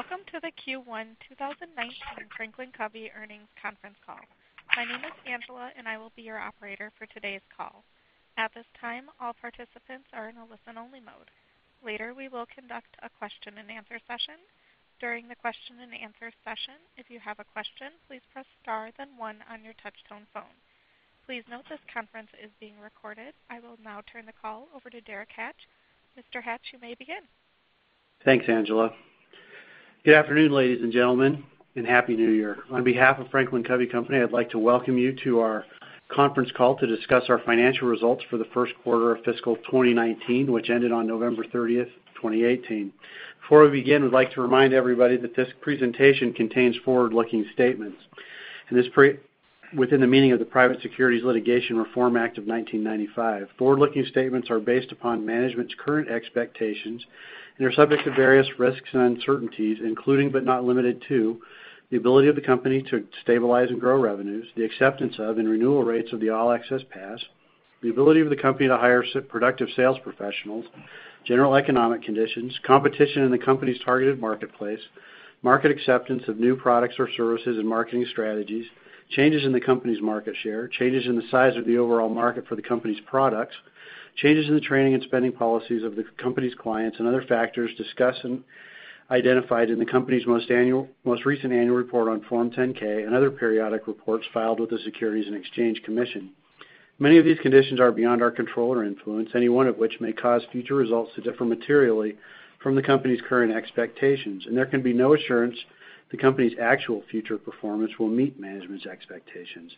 Welcome to the Q1 2019 Franklin Covey earnings conference call. My name is Angela, and I will be your operator for today's call. At this time, all participants are in a listen-only mode. Later, we will conduct a question-and-answer session. During the question-and-answer session, if you have a question, please press star then one on your touch-tone phone. Please note this conference is being recorded. I will now turn the call over to Derek Hatch. Mr. Hatch, you may begin. Thanks, Angela. Good afternoon, ladies and gentlemen, and happy New Year. On behalf of Franklin Covey company, I'd like to welcome you to our conference call to discuss our financial results for the first quarter of fiscal 2019, which ended on November 30th, 2018. Before we begin, we'd like to remind everybody that this presentation contains forward-looking statements within the meaning of the Private Securities Litigation Reform Act of 1995. Forward-looking statements are based upon management's current expectations and are subject to various risks and uncertainties, including but not limited to the ability of the company to stabilize and grow revenues, the acceptance of and renewal rates of the All Access Pass, the ability of the company to hire productive sales professionals, general economic conditions, competition in the company's targeted marketplace, market acceptance of new products or services and marketing strategies, changes in the company's market share, changes in the size of the overall market for the company's products, changes in the training and spending policies of the company's clients and other factors discussed and identified in the company's most recent annual report on Form 10-K and other periodic reports filed with the Securities and Exchange Commission. Many of these conditions are beyond our control or influence, any one of which may cause future results to differ materially from the company's current expectations. There can be no assurance the company's actual future performance will meet management's expectations.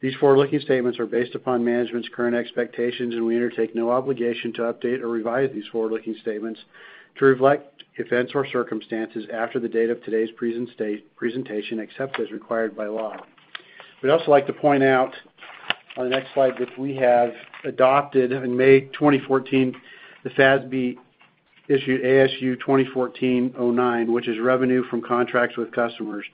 These forward-looking statements are based upon management's current expectations. We undertake no obligation to update or revise these forward-looking statements to reflect events or circumstances after the date of today's presentation, except as required by law. We'd also like to point out on the next slide that we have adopted in May 2014, the FASB issued ASU 2014-09, which is revenue from contracts with customers.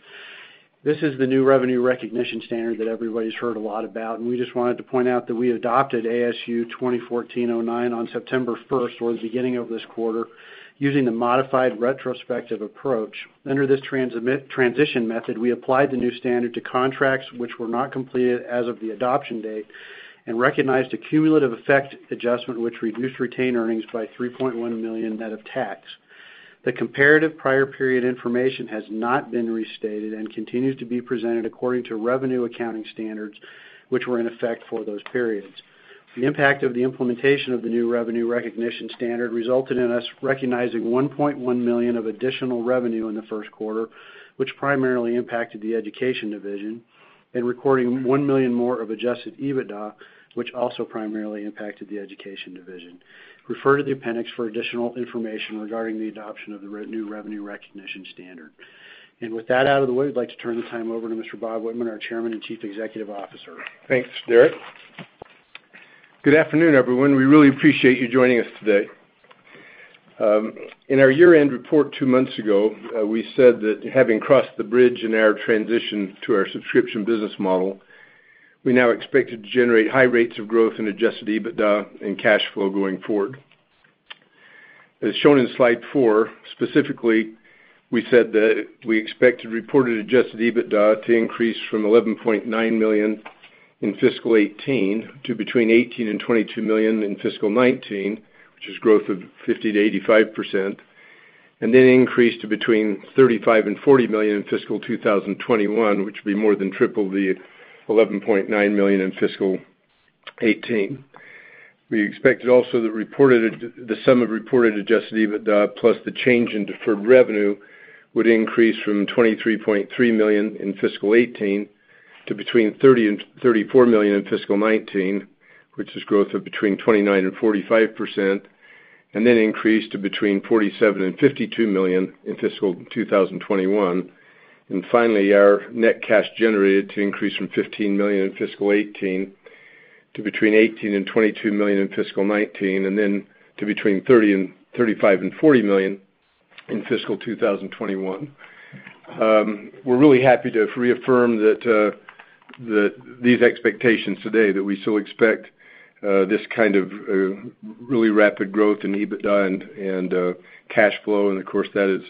This is the new revenue recognition standard that everybody's heard a lot about, and we just wanted to point out that we adopted ASU 2014-09 on September 1st or the beginning of this quarter, using the modified retrospective approach. Under this transition method, we applied the new standard to contracts which were not completed as of the adoption date and recognized a cumulative effect adjustment which reduced retained earnings by $3.1 million net of tax. The comparative prior period information has not been restated and continues to be presented according to revenue accounting standards, which were in effect for those periods. The impact of the implementation of the new revenue recognition standard resulted in us recognizing $1.1 million of additional revenue in the first quarter, which primarily impacted the Education division, and recording $1 million more of adjusted EBITDA, which also primarily impacted the Education division. Refer to the appendix for additional information regarding the adoption of the new revenue recognition standard. With that out of the way, I'd like to turn the time over to Mr. Bob Whitman, our Chairman and Chief Executive Officer. Thanks, Derek. Good afternoon, everyone. We really appreciate you joining us today. In our year-end report two months ago, we said that having crossed the bridge in our transition to our subscription business model, we now expected to generate high rates of growth in adjusted EBITDA and cash flow going forward. As shown in slide four, specifically, we said that we expected reported adjusted EBITDA to increase from $11.9 million in fiscal 2018 to between $18 million and $22 million in fiscal 2019, which is growth of 50%-85%, and then increase to between $35 million and $40 million in fiscal 2021, which would be more than triple the $11.9 million in fiscal 2018. We expected also the sum of reported adjusted EBITDA plus the change in deferred revenue would increase from $23.3 million in fiscal 2018 to between $30 million and $34 million in fiscal 2019, which is growth of between 29% and 45%, and then increase to between $47 million and $52 million in fiscal 2021. Finally, our net cash generated to increase from $15 million in fiscal 2018 to between $18 million and $22 million in fiscal 2019, and then to between $35 million and $40 million in fiscal 2021. We're really happy to reaffirm these expectations today, that we still expect this kind of really rapid growth in EBITDA and cash flow, and of course, that is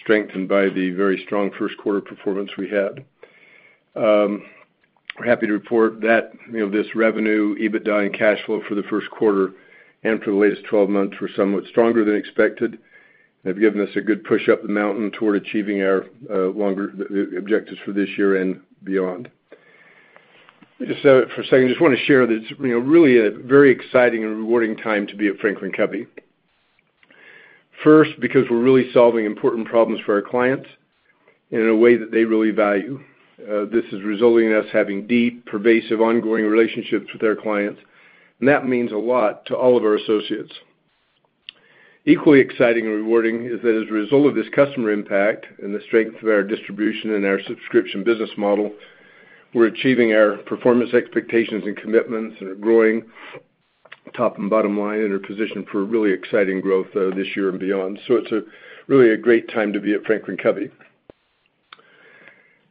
strengthened by the very strong first quarter performance we had. We're happy to report that this revenue, EBITDA, and cash flow for the first quarter and for the latest 12 months were somewhat stronger than expected. They've given us a good push up the mountain toward achieving our longer objectives for this year and beyond. Just for a second, just want to share that it's really a very exciting and rewarding time to be at Franklin Covey. First, because we're really solving important problems for our clients in a way that they really value. This is resulting in us having deep, pervasive, ongoing relationships with our clients, and that means a lot to all of our associates. Equally exciting and rewarding is that as a result of this customer impact and the strength of our distribution and our subscription business model, we're achieving our performance expectations and commitments and are growing top and bottom line and are positioned for really exciting growth this year and beyond. It's really a great time to be at Franklin Covey.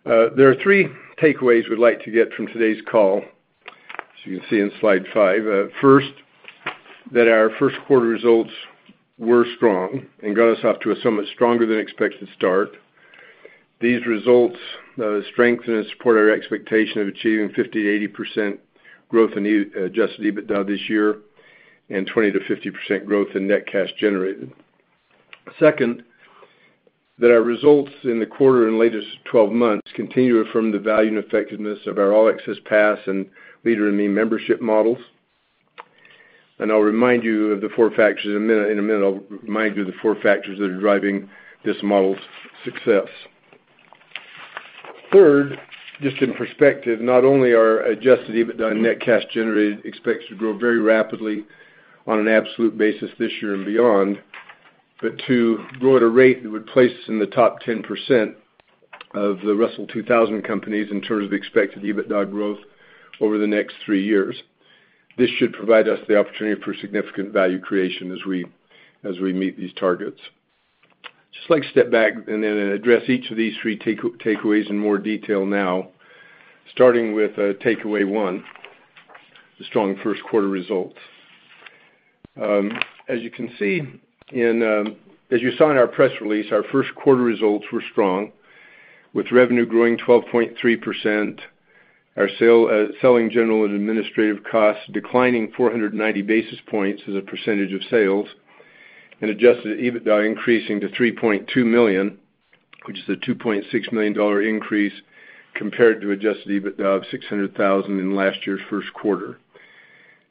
There are three takeaways we'd like to get from today's call. As you can see in slide five. First, that our first quarter results were strong and got us off to a somewhat stronger than expected start. These results strengthen and support our expectation of achieving 50%-80% growth in adjusted EBITDA this year and 20%-50% growth in net cash generated. Second, that our results in the quarter and latest 12 months continue to affirm the value and effectiveness of our All Access Pass and Leader in Me membership models. In a minute, I'll remind you of the four factors that are driving this model's success. Third, just in perspective, not only are adjusted EBITDA and net cash generated expects to grow very rapidly on an absolute basis this year and beyond, but to grow at a rate that would place us in the top 10% of the Russell 2000 companies in terms of expected EBITDA growth over the next three years. This should provide us the opportunity for significant value creation as we meet these targets. I'd just like to step back and then address each of these three takeaways in more detail now, starting with takeaway one, the strong first quarter results. As you saw in our press release, our first quarter results were strong, with revenue growing 12.3%, our selling, general, and administrative costs declining 490 basis points as a percentage of sales, and adjusted EBITDA increasing to $3.2 million, which is a $2.6 million increase compared to adjusted EBITDA of $600,000 in last year's first quarter.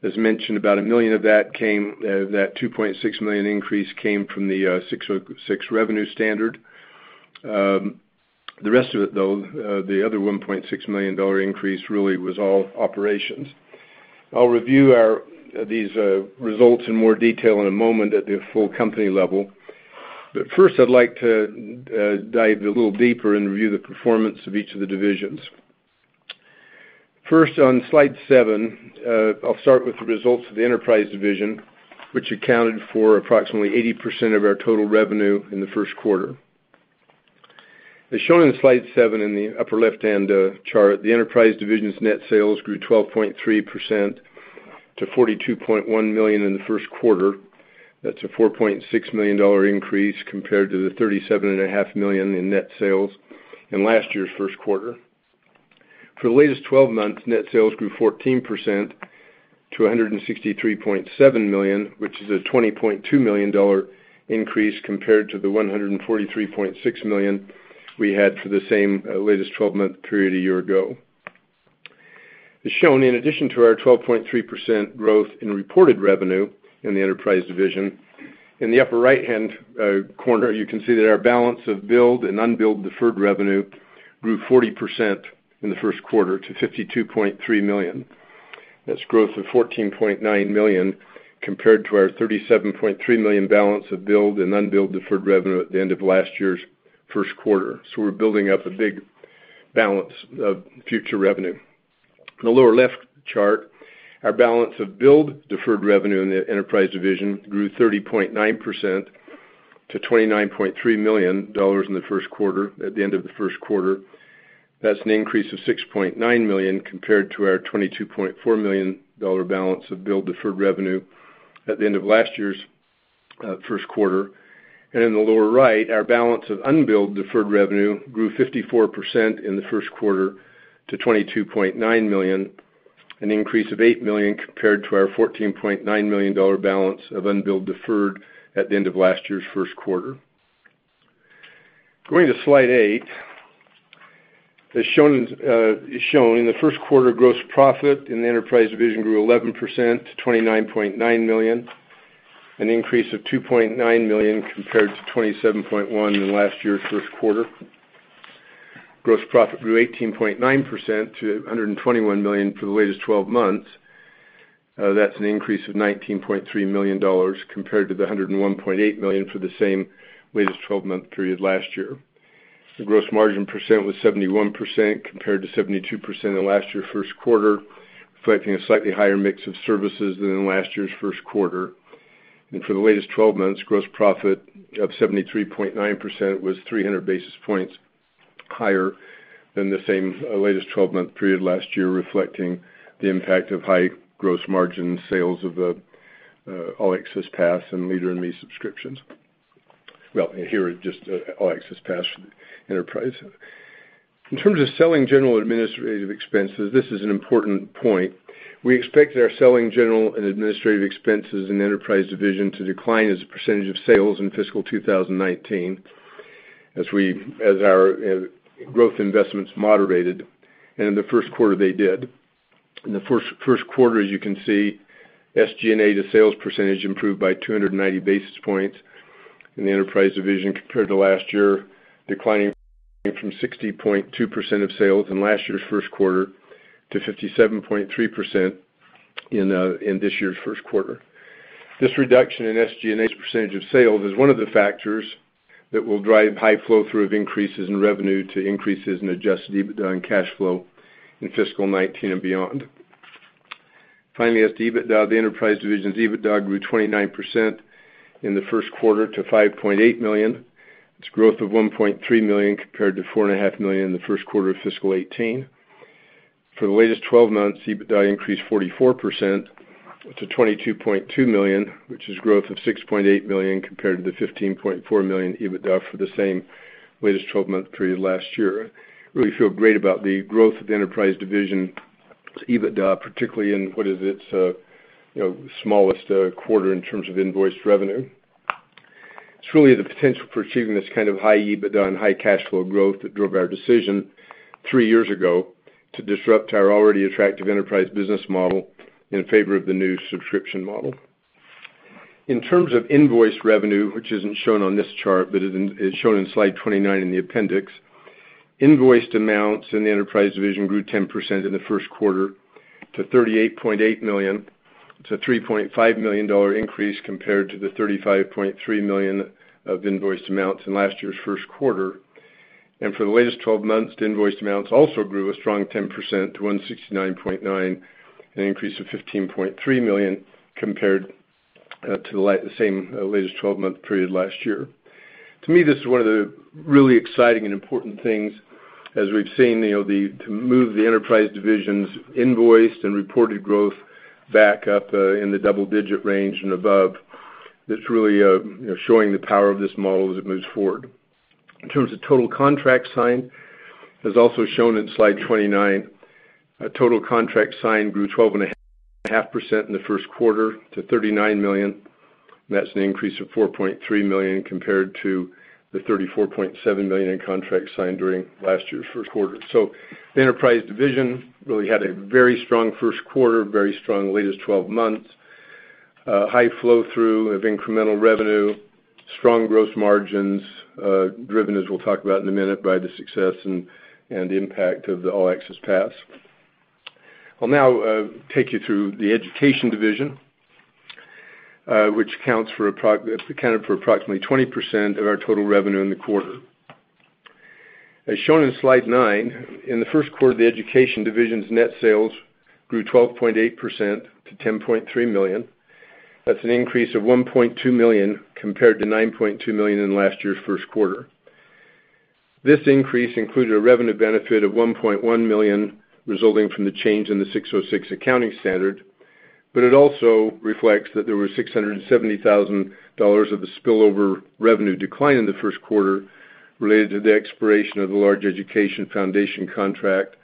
As mentioned, about $1 million of that $2.6 million increase came from the 606 revenue standard. The rest of it, though, the other $1.6 million increase really was all operations. I'll review these results in more detail in a moment at the full company level. First, I'd like to dive a little deeper and review the performance of each of the divisions. First, on slide seven, I'll start with the results of the enterprise division, which accounted for approximately 80% of our total revenue in the first quarter. As shown in slide seven in the upper left-hand chart, the enterprise division's net sales grew 12.3% to $42.1 million in the first quarter. That's a $4.6 million increase compared to the $37.5 million in net sales in last year's first quarter. For the latest 12 months, net sales grew 14% to $163.7 million, which is a $20.2 million increase compared to the $143.6 million we had for the same latest 12-month period a year ago. As shown, in addition to our 12.3% growth in reported revenue in the enterprise division, in the upper right-hand corner, you can see that our balance of billed and unbilled deferred revenue grew 40% in the first quarter to $52.3 million. That's growth of $14.9 million compared to our $37.3 million balance of billed and unbilled deferred revenue at the end of last year's first quarter. We're building up a big balance of future revenue. In the lower left chart, our balance of billed deferred revenue in the enterprise division grew 30.9% to $29.3 million in the first quarter, at the end of the first quarter. That's an increase of $6.9 million compared to our $22.4 million balance of billed deferred revenue at the end of last year's first quarter. In the lower right, our balance of unbilled deferred revenue grew 54% in the first quarter to $22.9 million, an increase of $8 million compared to our $14.9 million balance of unbilled deferred at the end of last year's first quarter. Going to slide eight, as shown, in the first quarter, gross profit in the enterprise division grew 11% to $29.9 million, an increase of $2.9 million compared to $27.1 million in last year's first quarter. Gross profit grew 18.9% to $121 million for the latest 12 months. That's an increase of $19.3 million compared to the $101.8 million for the same latest 12-month period last year. The gross margin % was 71% compared to 72% in last year's first quarter, reflecting a slightly higher mix of services than in last year's first quarter. For the latest 12 months, gross profit of 73.9% was 300 basis points higher than the same latest 12-month period last year, reflecting the impact of high gross margin sales of the All Access Pass and Leader in Me subscriptions. Well, here, just All Access Pass enterprise. In terms of selling general administrative expenses, this is an important point. We expected our selling general and administrative expenses in the enterprise division to decline as a percentage of sales in fiscal 2019 as our growth investments moderated. In the first quarter, they did. In the first quarter, as you can see, SG&A to sales % improved by 290 basis points in the enterprise division compared to last year, declining from 60.2% of sales in last year's first quarter to 57.3% in this year's first quarter. This reduction in SG&A's % of sales is one of the factors that will drive high flow-through of increases in revenue to increases in adjusted EBITDA and cash flow in fiscal 2019 and beyond. Finally, as to EBITDA, the Enterprise division's EBITDA grew 29% in the first quarter to $5.8 million. That's growth of $1.3 million compared to $4.5 million in the first quarter of fiscal 2018. For the latest 12 months, EBITDA increased 44% to $22.2 million, which is growth of $6.8 million compared to the $15.4 million EBITDA for the same latest 12-month period last year. Really feel great about the growth of the Enterprise division's EBITDA, particularly in what is its smallest quarter in terms of invoiced revenue. It's really the potential for achieving this kind of high EBITDA and high cash flow growth that drove our decision three years ago to disrupt our already attractive Enterprise business model in favor of the new subscription model. In terms of invoiced revenue, which isn't shown on this chart but is shown in slide 29 in the appendix, invoiced amounts in the Enterprise division grew 10% in the first quarter to $38.8 million. That's a $3.5 million increase compared to the $35.3 million of invoiced amounts in last year's first quarter. For the latest 12 months, the invoiced amounts also grew a strong 10% to $169.9 million, an increase of $15.3 million compared to the same latest 12-month period last year. To me, this is one of the really exciting and important things as we've seen, to move the Enterprise division's invoiced and reported growth back up in the double-digit range and above. That's really showing the power of this model as it moves forward. In terms of total contracts signed, as also shown in slide 29, total contracts signed grew 12.5% in the first quarter to $39 million. That's an increase of $4.3 million compared to the $34.7 million in contracts signed during last year's first quarter. The Enterprise division really had a very strong first quarter, very strong latest 12 months. High flow-through of incremental revenue, strong gross margins, driven, as we'll talk about in a minute, by the success and the impact of the All Access Pass. I'll now take you through the Education division, which accounted for approximately 20% of our total revenue in the quarter. As shown in slide nine, in the first quarter, the Education division's net sales grew 12.8% to $10.3 million. That's an increase of $1.2 million compared to $9.2 million in last year's first quarter. This increase included a revenue benefit of $1.1 million resulting from the change in the 606 accounting standard, but it also reflects that there was $670,000 of the spillover revenue decline in the first quarter related to the expiration of the large Education Foundation contract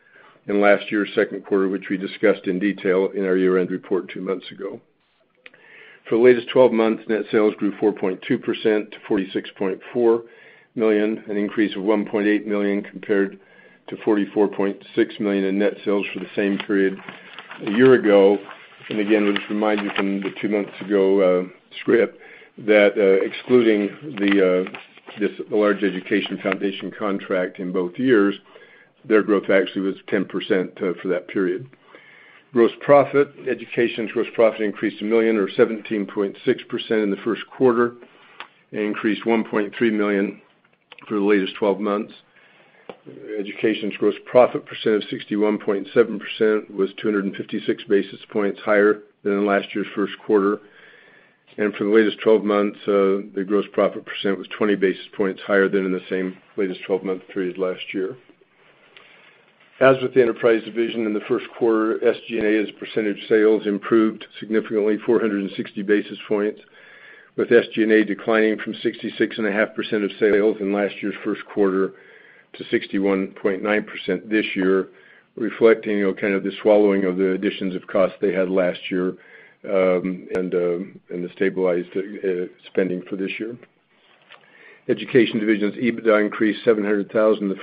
in last year's second quarter, which we discussed in detail in our year-end report two months ago. For the latest 12 months, net sales grew 4.2% to $46.4 million, an increase of $1.8 million compared to $44.6 million in net sales for the same period a year ago. Again, I'll just remind you from the two months ago script, that excluding this large Education Foundation contract in both years, their growth actually was 10% for that period. Gross profit. Education's gross profit increased $1 million or 17.6% in the first quarter and increased $1.3 million for the latest 12 months. Education's gross profit percent of 61.7% was 256 basis points higher than in last year's first quarter. For the latest 12 months, the gross profit percent was 20 basis points higher than in the same latest 12-month period last year. As with the Enterprise division in the first quarter, SG&A as a percentage of sales improved significantly, 460 basis points, with SG&A declining from 66.5% of sales in last year's first quarter to 61.9% this year, reflecting kind of the swallowing of the additions of cost they had last year and the stabilized spending for this year. Education division's EBITDA increased $700,000 in the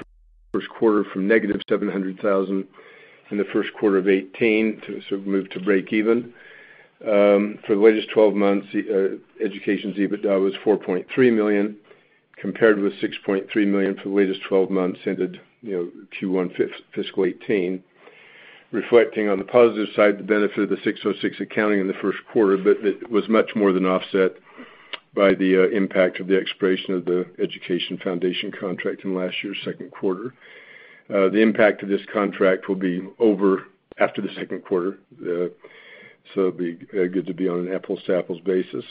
first quarter from negative $700,000 in the first quarter of 2018, so it moved to break even. For the latest 12 months, Education's EBITDA was $4.3 million, compared with $6.3 million for the latest 12 months ended Q1 fiscal 2018, reflecting on the positive side, the benefit of the 606 accounting in the first quarter, but it was much more than offset by the impact of the expiration of the Education Foundation contract in last year's second quarter. It will be good to be on an apples to apples basis.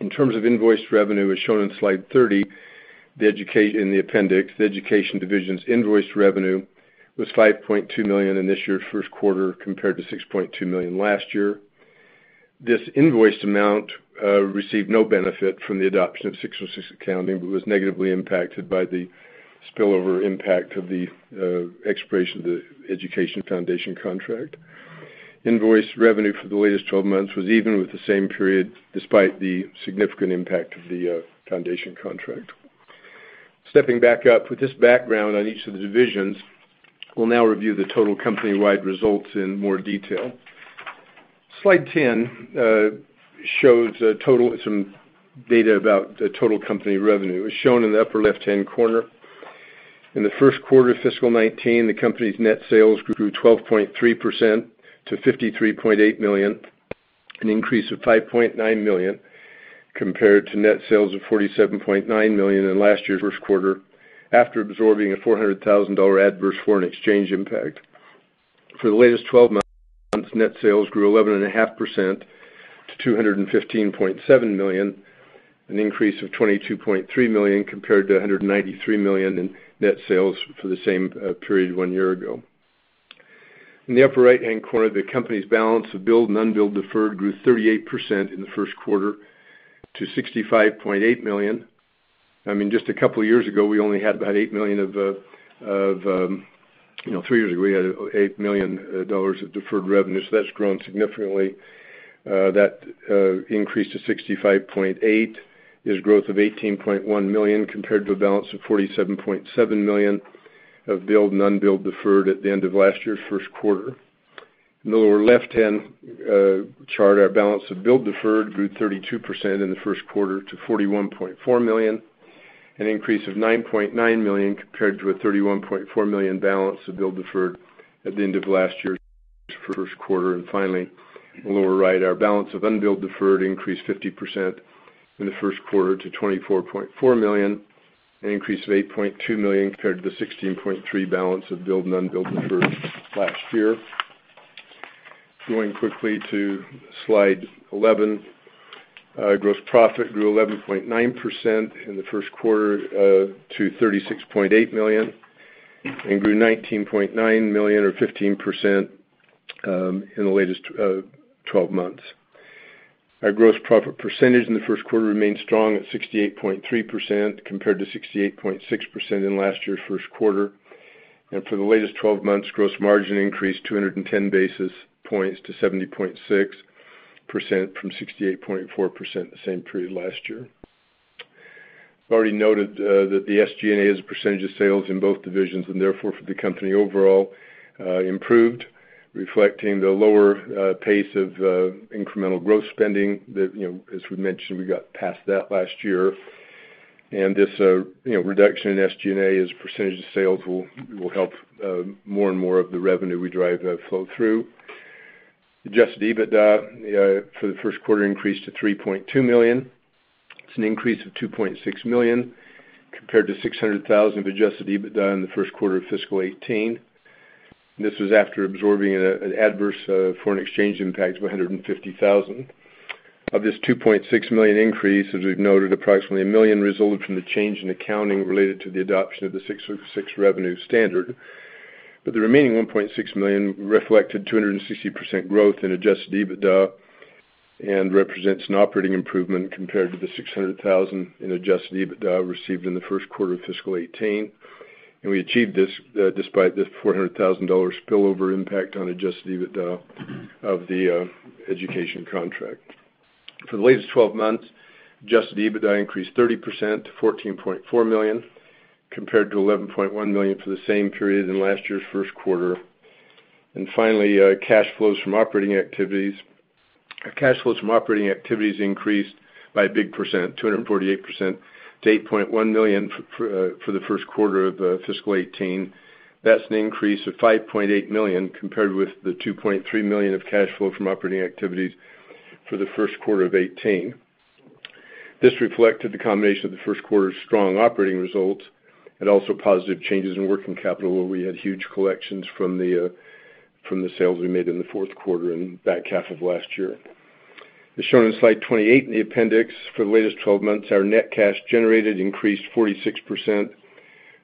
In terms of invoiced revenue as shown in slide 30 in the appendix, the Education division's invoiced revenue was $5.2 million in this year's first quarter compared to $6.2 million last year. This invoiced amount received no benefit from the adoption of 606 accounting but was negatively impacted by the spillover impact of the expiration of the Education Foundation contract. Invoiced revenue for the latest 12 months was even with the same period, despite the significant impact of the Foundation contract. Stepping back up with this background on each of the divisions, we will now review the total company-wide results in more detail. Slide 10 shows some data about the total company revenue. As shown in the upper left-hand corner, in the first quarter of fiscal 2019, the company's net sales grew 12.3% to $53.8 million. An increase of $5.9 million compared to net sales of $47.9 million in last year's first quarter, after absorbing a $400,000 adverse foreign exchange impact. For the latest 12 months, net sales grew 11.5% to $215.7 million, an increase of $22.3 million compared to $193 million in net sales for the same period one year ago. In the upper right-hand corner, the company's balance of billed and unbilled deferred grew 38% in the first quarter to $65.8 million. Just a couple years ago, we only had about $8 million of deferred revenue, that has grown significantly. That increase to $65.8 million is growth of $18.1 million compared to a balance of $47.7 million of billed and unbilled deferred at the end of last year's first quarter. In the lower left-hand chart, our balance of billed deferred grew 32% in the first quarter to $41.4 million, an increase of $9.9 million compared to a $31.4 million balance of billed deferred at the end of last year's first quarter. Finally, in the lower right, our balance of unbilled deferred increased 50% in the first quarter to $24.4 million, an increase of $8.2 million compared to the $16.3 million balance of billed and unbilled deferred last year. Going quickly to slide 11. Gross profit grew 11.9% in the first quarter to $36.8 million and grew $19.9 million or 15% in the latest 12 months. Our gross profit percentage in the first quarter remained strong at 68.3% compared to 68.6% in last year's first quarter. For the latest 12 months, gross margin increased 210 basis points to 70.6% from 68.4% the same period last year. I have already noted that the SG&A as a percentage of sales in both divisions, and therefore for the company overall, improved, reflecting the lower pace of incremental growth spending. As we mentioned, we got past that last year. This reduction in SG&A as a percentage of sales will help more and more of the revenue we drive flow through. Adjusted EBITDA for the first quarter increased to $3.2 million. It is an increase of $2.6 million compared to $600,000 of adjusted EBITDA in the first quarter of fiscal 2018. This was after absorbing an adverse foreign exchange impact of $150,000. Of this $2.6 million increase, as we have noted, approximately $1 million resulted from the change in accounting related to the adoption of the 606 revenue standard. The remaining $1.6 million reflected 260% growth in adjusted EBITDA and represents an operating improvement compared to the $600,000 in adjusted EBITDA received in the first quarter of fiscal 2018. We achieved this despite the $400,000 spillover impact on adjusted EBITDA of the education contract. For the latest 12 months, adjusted EBITDA increased 30% to $14.4 million compared to $11.1 million for the same period in last year's first quarter. Finally, cash flows from operating activities increased by a big percent, 248%, to $8.1 million for the first quarter of fiscal 2018. That's an increase of $5.8 million compared with the $2.3 million of cash flow from operating activities for the first quarter of 2018. This reflected the combination of the first quarter's strong operating results and also positive changes in working capital, where we had huge collections from the sales we made in the fourth quarter and back half of last year. As shown in slide 28 in the appendix, for the latest 12 months, our net cash generated increased 46%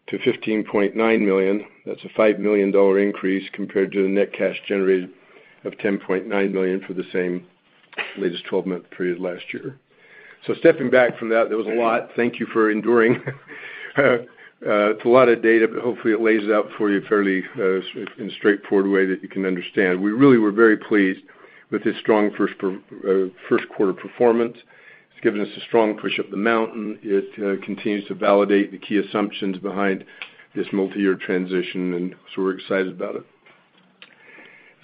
to $15.9 million. That's a $5 million increase compared to the net cash generated of $10.9 million for the same latest 12-month period last year. Stepping back from that, there was a lot. Thank you for enduring. It's a lot of data, but hopefully it lays it out for you fairly in a straightforward way that you can understand. We really were very pleased with this strong first quarter performance. It's given us a strong push up the mountain. It continues to validate the key assumptions behind this multi-year transition, so we're excited about it.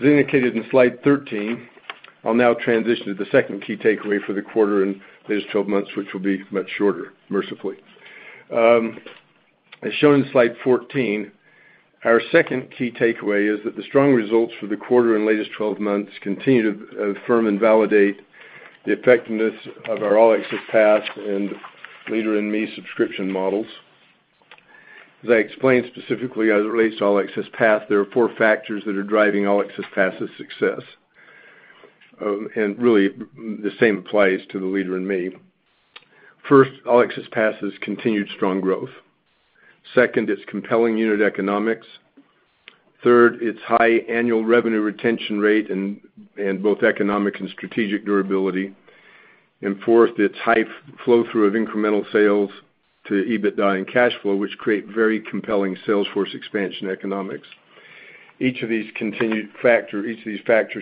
As indicated in slide 13, I'll now transition to the second key takeaway for the quarter and latest 12 months, which will be much shorter, mercifully. As shown in slide 14, our second key takeaway is that the strong results for the quarter and latest 12 months continue to affirm and validate the effectiveness of our All Access Pass and Leader in Me subscription models. As I explained specifically as it relates to All Access Pass, there are four factors that are driving All Access Pass' success. Really, the same applies to the Leader in Me. First, All Access Pass has continued strong growth. Second, its compelling unit economics. Third, its high annual revenue retention rate in both economic and strategic durability. Fourth, its high flow-through of incremental sales to EBITDA and cash flow, which create very compelling sales force expansion economics. Each of these factors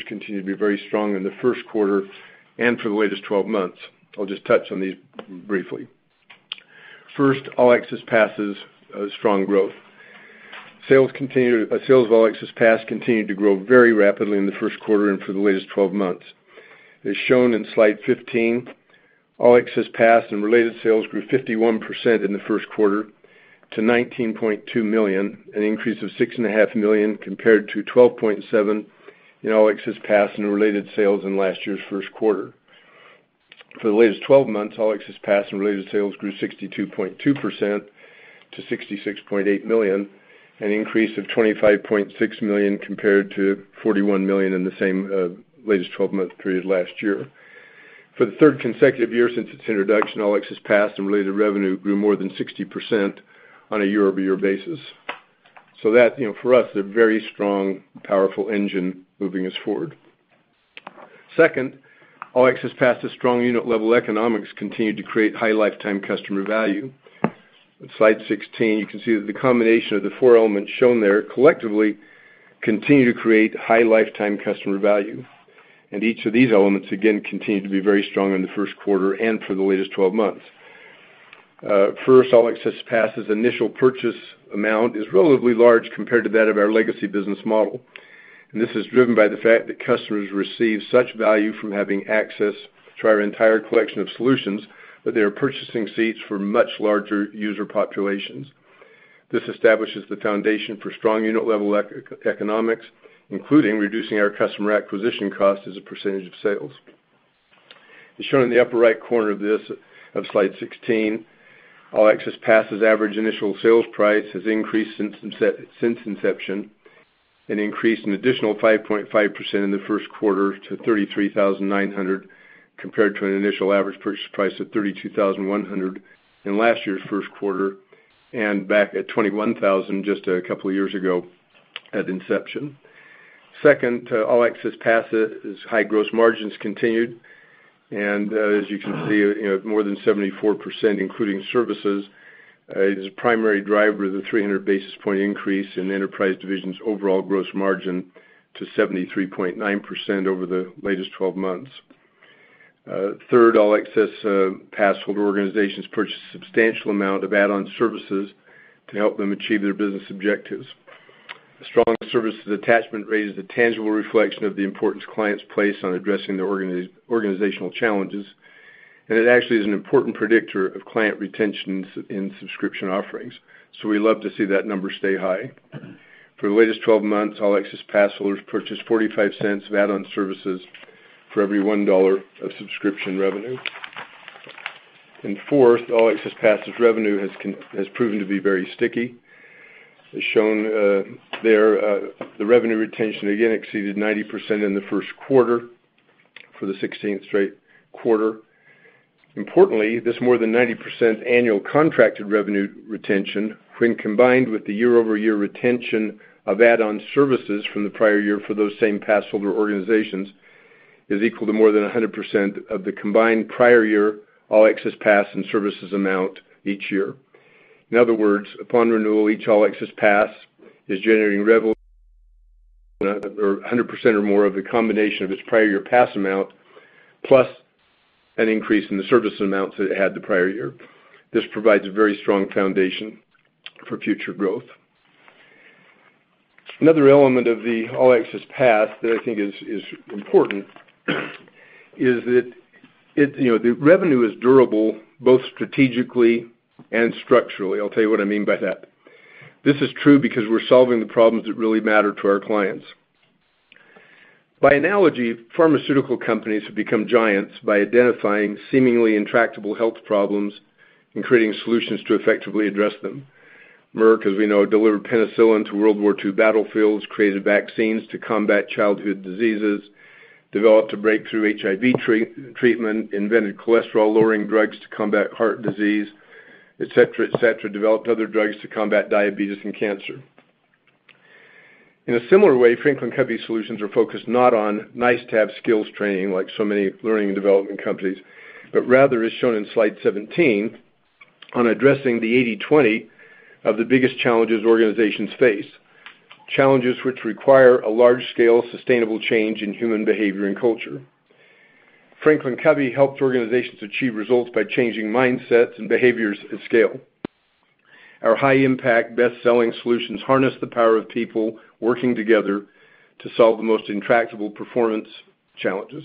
continue to be very strong in the first quarter and for the latest 12 months. I'll just touch on these briefly. First, All Access Pass' strong growth. Sales of All Access Pass continued to grow very rapidly in the first quarter and for the latest 12 months. As shown in slide 15, All Access Pass and related sales grew 51% in the first quarter to $19.2 million, an increase of $6.5 million compared to $12.7 million in All Access Pass and related sales in last year's first quarter. For the latest 12 months, All Access Pass and related sales grew 62.2% to $66.8 million, an increase of $25.6 million compared to $41 million in the same latest 12-month period last year. For the third consecutive year since its introduction, All Access Pass and related revenue grew more than 60% on a year-over-year basis. That, for us, is a very strong, powerful engine moving us forward. Second, All Access Pass' strong unit-level economics continued to create high lifetime customer value. In slide 16, you can see that the combination of the four elements shown there collectively continue to create high lifetime customer value. Each of these elements, again, continued to be very strong in the first quarter and for the latest 12 months. First, All Access Pass' initial purchase amount is relatively large compared to that of our legacy business model. This is driven by the fact that customers receive such value from having access to our entire collection of solutions that they are purchasing seats for much larger user populations. This establishes the foundation for strong unit-level economics, including reducing our customer acquisition cost as a percentage of sales. As shown in the upper right corner of slide 16, All Access Pass' average initial sales price has increased since inception, and increased an additional 5.5% in the first quarter to $33,900, compared to an initial average purchase price of $32,100 in last year's first quarter, and back at $21,000 just a couple of years ago at inception. Second, All Access Pass' high gross margins continued. As you can see, more than 74%, including services, is a primary driver of the 300 basis point increase in the Enterprise division's overall gross margin to 73.9% over the latest 12 months. Third, All Access Pass holder organizations purchased a substantial amount of add-on services to help them achieve their business objectives. A strong services attachment rate is a tangible reflection of the importance clients place on addressing their organizational challenges, and it actually is an important predictor of client retention in subscription offerings. We love to see that number stay high. For the latest 12 months, All Access Pass holders purchased $0.45 of add-on services for every $1 of subscription revenue. Fourth, All Access Pass' revenue has proven to be very sticky. As shown there, the revenue retention again exceeded 90% in the first quarter for the 16th straight quarter. Importantly, this more than 90% annual contracted revenue retention, when combined with the year-over-year retention of add-on services from the prior year for those same pass holder organizations, is equal to more than 100% of the combined prior year All Access Pass and services amount each year. In other words, upon renewal, each All Access Pass is generating revenue or 100% or more of the combination of its prior year pass amount, plus an increase in the service amounts that it had the prior year. This provides a very strong foundation for future growth. Another element of the All Access Pass that I think is important is that the revenue is durable, both strategically and structurally. I'll tell you what I mean by that. This is true because we're solving the problems that really matter to our clients. By analogy, pharmaceutical companies have become giants by identifying seemingly intractable health problems and creating solutions to effectively address them. Merck, as we know, delivered penicillin to World War II battlefields, created vaccines to combat childhood diseases, developed a breakthrough HIV treatment, invented cholesterol-lowering drugs to combat heart disease, et cetera, et cetera, developed other drugs to combat diabetes and cancer. In a similar way, Franklin Covey solutions are focused not on nice-to-have skills training, like so many learning and development companies, but rather, as shown in slide 17, on addressing the 80/20 of the biggest challenges organizations face. Challenges which require a large-scale, sustainable change in human behavior and culture. Franklin Covey helps organizations achieve results by changing mindsets and behaviors at scale. Our high-impact, bestselling solutions harness the power of people working together to solve the most intractable performance challenges.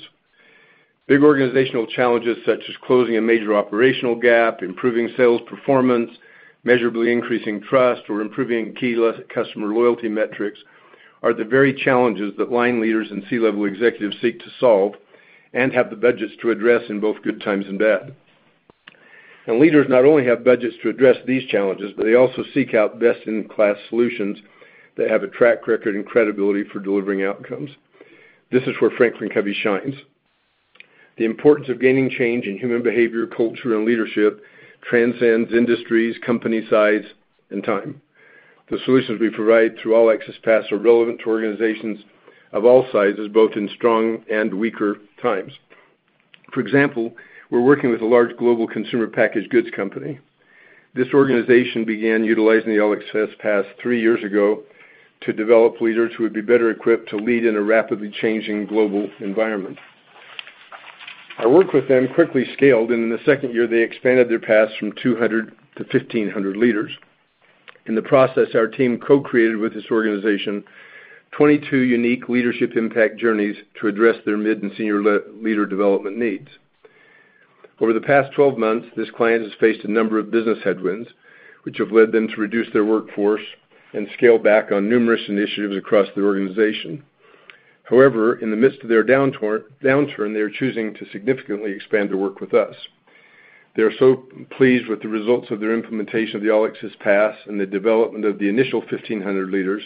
Big organizational challenges such as closing a major operational gap, improving sales performance, measurably increasing trust, or improving key customer loyalty metrics are the very challenges that line leaders and C-level executives seek to solve and have the budgets to address in both good times and bad. Leaders not only have budgets to address these challenges, but they also seek out best-in-class solutions that have a track record and credibility for delivering outcomes. This is where Franklin Covey shines. The importance of gaining change in human behavior, culture, and leadership transcends industries, company size, and time. The solutions we provide through All Access Pass are relevant to organizations of all sizes, both in strong and weaker times. For example, we're working with a large global consumer packaged goods company. This organization began utilizing the All Access Pass three years ago to develop leaders who would be better equipped to lead in a rapidly changing global environment. Our work with them quickly scaled, and in the second year, they expanded their pass from 200 to 1,500 leaders. In the process, our team co-created with this organization 22 unique leadership impact journeys to address their mid and senior leader development needs. Over the past 12 months, this client has faced a number of business headwinds, which have led them to reduce their workforce and scale back on numerous initiatives across their organization. However, in the midst of their downturn, they are choosing to significantly expand their work with us. They are so pleased with the results of their implementation of the All Access Pass and the development of the initial 1,500 leaders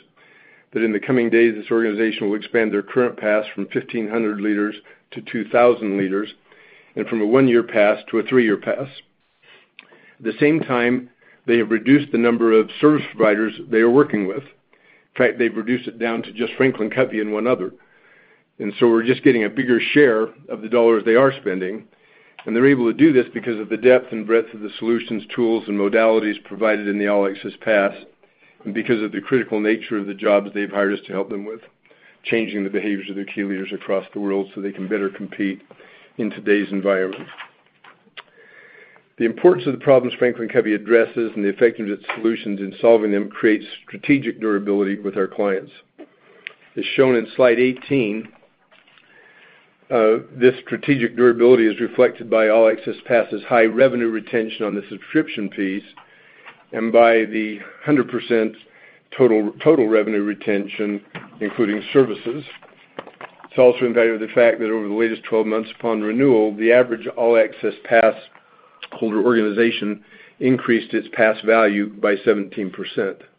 that in the coming days, this organization will expand their current pass from 1,500 leaders to 2,000 leaders, and from a one-year pass to a three-year pass. At the same time, they have reduced the number of service providers they are working with. In fact, they've reduced it down to just Franklin Covey and one other. We're just getting a bigger share of the dollars they are spending, and they're able to do this because of the depth and breadth of the solutions, tools, and modalities provided in the All Access Pass, and because of the critical nature of the jobs they've hired us to help them with, changing the behaviors of their key leaders across the world so they can better compete in today's environment. The importance of the problems Franklin Covey addresses and the effectiveness of solutions in solving them creates strategic durability with our clients. As shown in slide 18, this strategic durability is reflected by All Access Pass' high revenue retention on the subscription fees and by the 100% total revenue retention, including services. It's also in value of the fact that over the latest 12 months upon renewal, the average All Access Pass holder organization increased its pass value by 17%.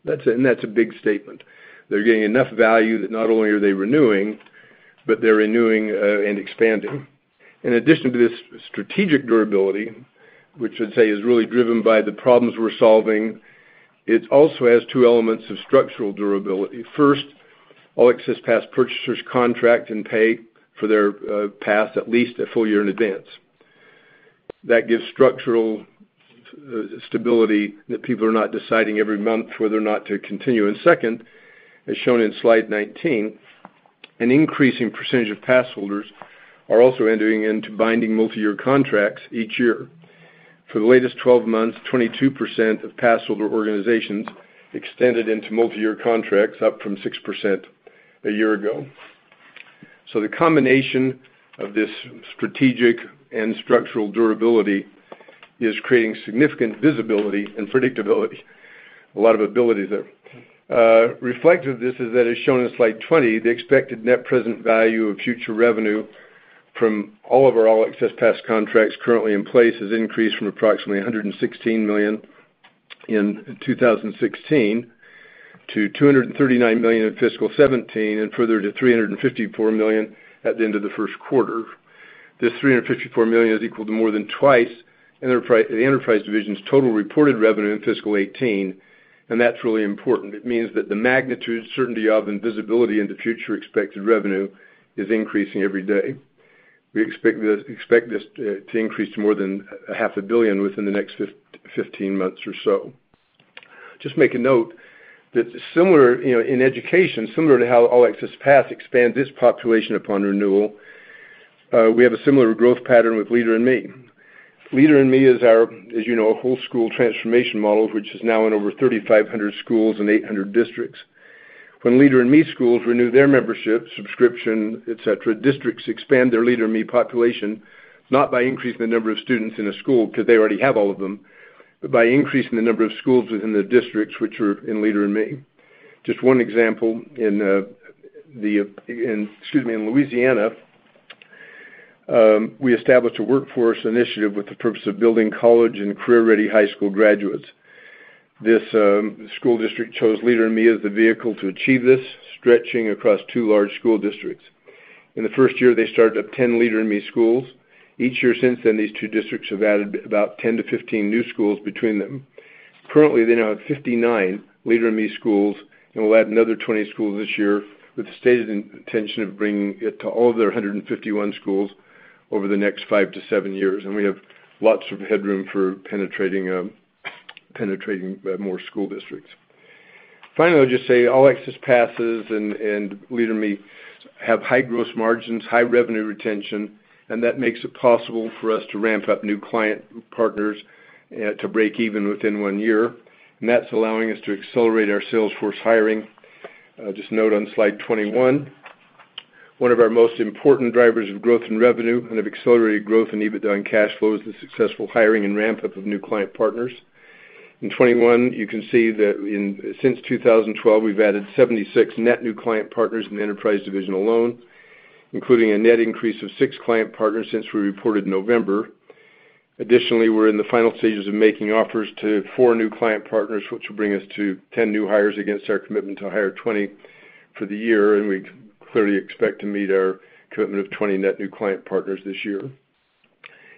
That's a big statement. They're getting enough value that not only are they renewing, but they're renewing and expanding. In addition to this strategic durability, which I'd say is really driven by the problems we're solving, it also has two elements of structural durability. First, All Access Pass purchasers contract and pay for their pass at least a full year in advance. That gives structural stability that people are not deciding every month whether or not to continue. Second, as shown in slide 19, an increasing percentage of pass holders are also entering into binding multi-year contracts each year. For the latest 12 months, 22% of pass holder organizations extended into multi-year contracts, up from 6% a year ago. The combination of this strategic and structural durability is creating significant visibility and predictability. A lot of ability there. Reflective of this is that, as shown in slide 20, the expected net present value of future revenue from all of our All Access Pass contracts currently in place has increased from approximately $116 million in 2016 to $239 million in fiscal 2017, and further to $354 million at the end of the first quarter. This $354 million is equal to more than twice the Enterprise Division's total reported revenue in fiscal 2018, and that's really important. It means that the magnitude, certainty of, and visibility into future expected revenue is increasing every day. We expect this to increase to more than a half a billion within the next 15 months or so. Just make a note that in education, similar to how All Access Pass expands its population upon renewal, we have a similar growth pattern with Leader in Me. Leader in Me is our whole school transformation model, which is now in over 3,500 schools and 800 districts. When Leader in Me schools renew their membership, subscription, et cetera, districts expand their Leader in Me population, not by increasing the number of students in a school because they already have all of them, but by increasing the number of schools within the districts which are in Leader in Me. Just one example, in Louisiana, we established a workforce initiative with the purpose of building college and career-ready high school graduates. This school district chose Leader in Me as the vehicle to achieve this, stretching across two large school districts. In the first year, they started up 10 Leader in Me schools. Each year since then, these two districts have added about 10 to 15 new schools between them. Currently, they now have 59 Leader in Me schools, and will add another 20 schools this year with the stated intention of bringing it to all of their 151 schools over the next five to seven years. We have lots of headroom for penetrating more school districts. Finally, I'll just say All Access Passes and Leader in Me have high gross margins, high revenue retention, that makes it possible for us to ramp up new client partners to break even within one year. That's allowing us to accelerate our sales force hiring. Just note on slide 21, one of our most important drivers of growth in revenue and of accelerated growth in EBITDA and cash flow is the successful hiring and ramp-up of new client partners. In 2021, you can see that since 2012, we've added 76 net new client partners in the Enterprise division alone, including a net increase of six client partners since we reported November. Additionally, we're in the final stages of making offers to four new client partners, which will bring us to 10 new hires against our commitment to hire 20 for the year. We clearly expect to meet our commitment of 20 net new client partners this year.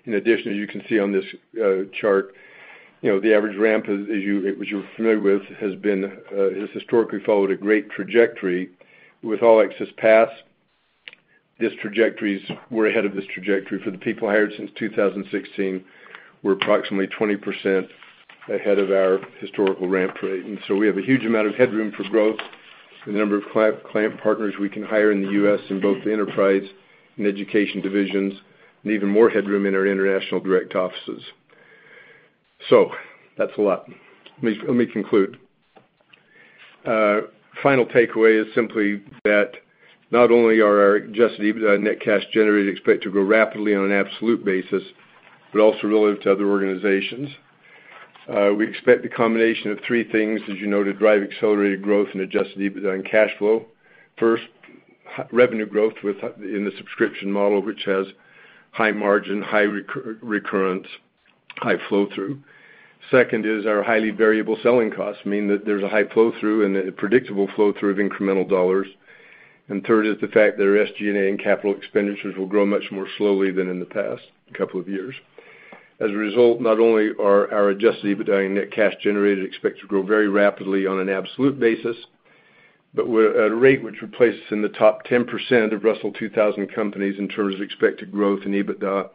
In addition, as you can see on this chart, the average ramp, as you're familiar with, has historically followed a great trajectory. With All Access Pass, we're ahead of this trajectory. For the people hired since 2016, we're approximately 20% ahead of our historical ramp rate. We have a huge amount of headroom for growth. The number of client partners we can hire in the U.S. in both the enterprise and education divisions, and even more headroom in our international direct offices. That's a lot. Let me conclude. Final takeaway is simply that not only are our adjusted EBITDA and net cash generated expected to grow rapidly on an absolute basis, but also relative to other organizations. We expect the combination of three things, as you know, to drive accelerated growth and adjusted EBITDA and cash flow. First, revenue growth in the subscription model, which has high margin, high recurrence, high flow-through. Second is our highly variable selling costs mean that there's a high flow-through and a predictable flow-through of incremental dollars. Third is the fact that our SG&A and capital expenditures will grow much more slowly than in the past couple of years. As a result, not only are our adjusted EBITDA and net cash generated expected to grow very rapidly on an absolute basis, but we're at a rate which would place us in the top 10% of Russell 2000 companies in terms of expected growth in EBITDA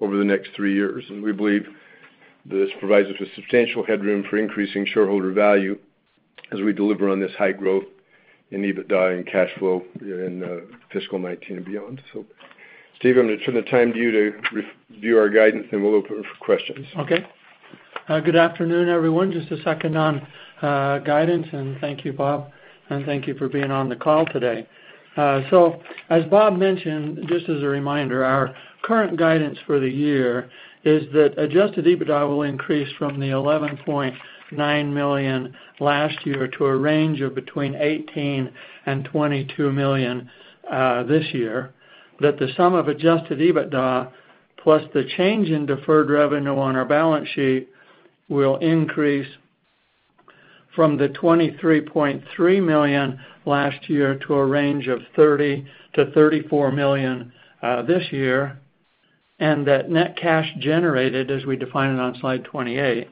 over the next three years. We believe this provides us with substantial headroom for increasing shareholder value as we deliver on this high growth in EBITDA and cash flow in fiscal 2019 and beyond. Steve, I'm going to turn the time to you to review our guidance, we'll open for questions. Good afternoon, everyone. Just a second on guidance. Thank you, Bob, and thank you for being on the call today. As Bob mentioned, just as a reminder, our current guidance for the year is that adjusted EBITDA will increase from the $11.9 million last year to a range of between $18 million and $22 million this year. That the sum of adjusted EBITDA plus the change in deferred revenue on our balance sheet will increase from the $23.3 million last year to a range of $30 million-$34 million this year. That net cash generated, as we define it on slide 28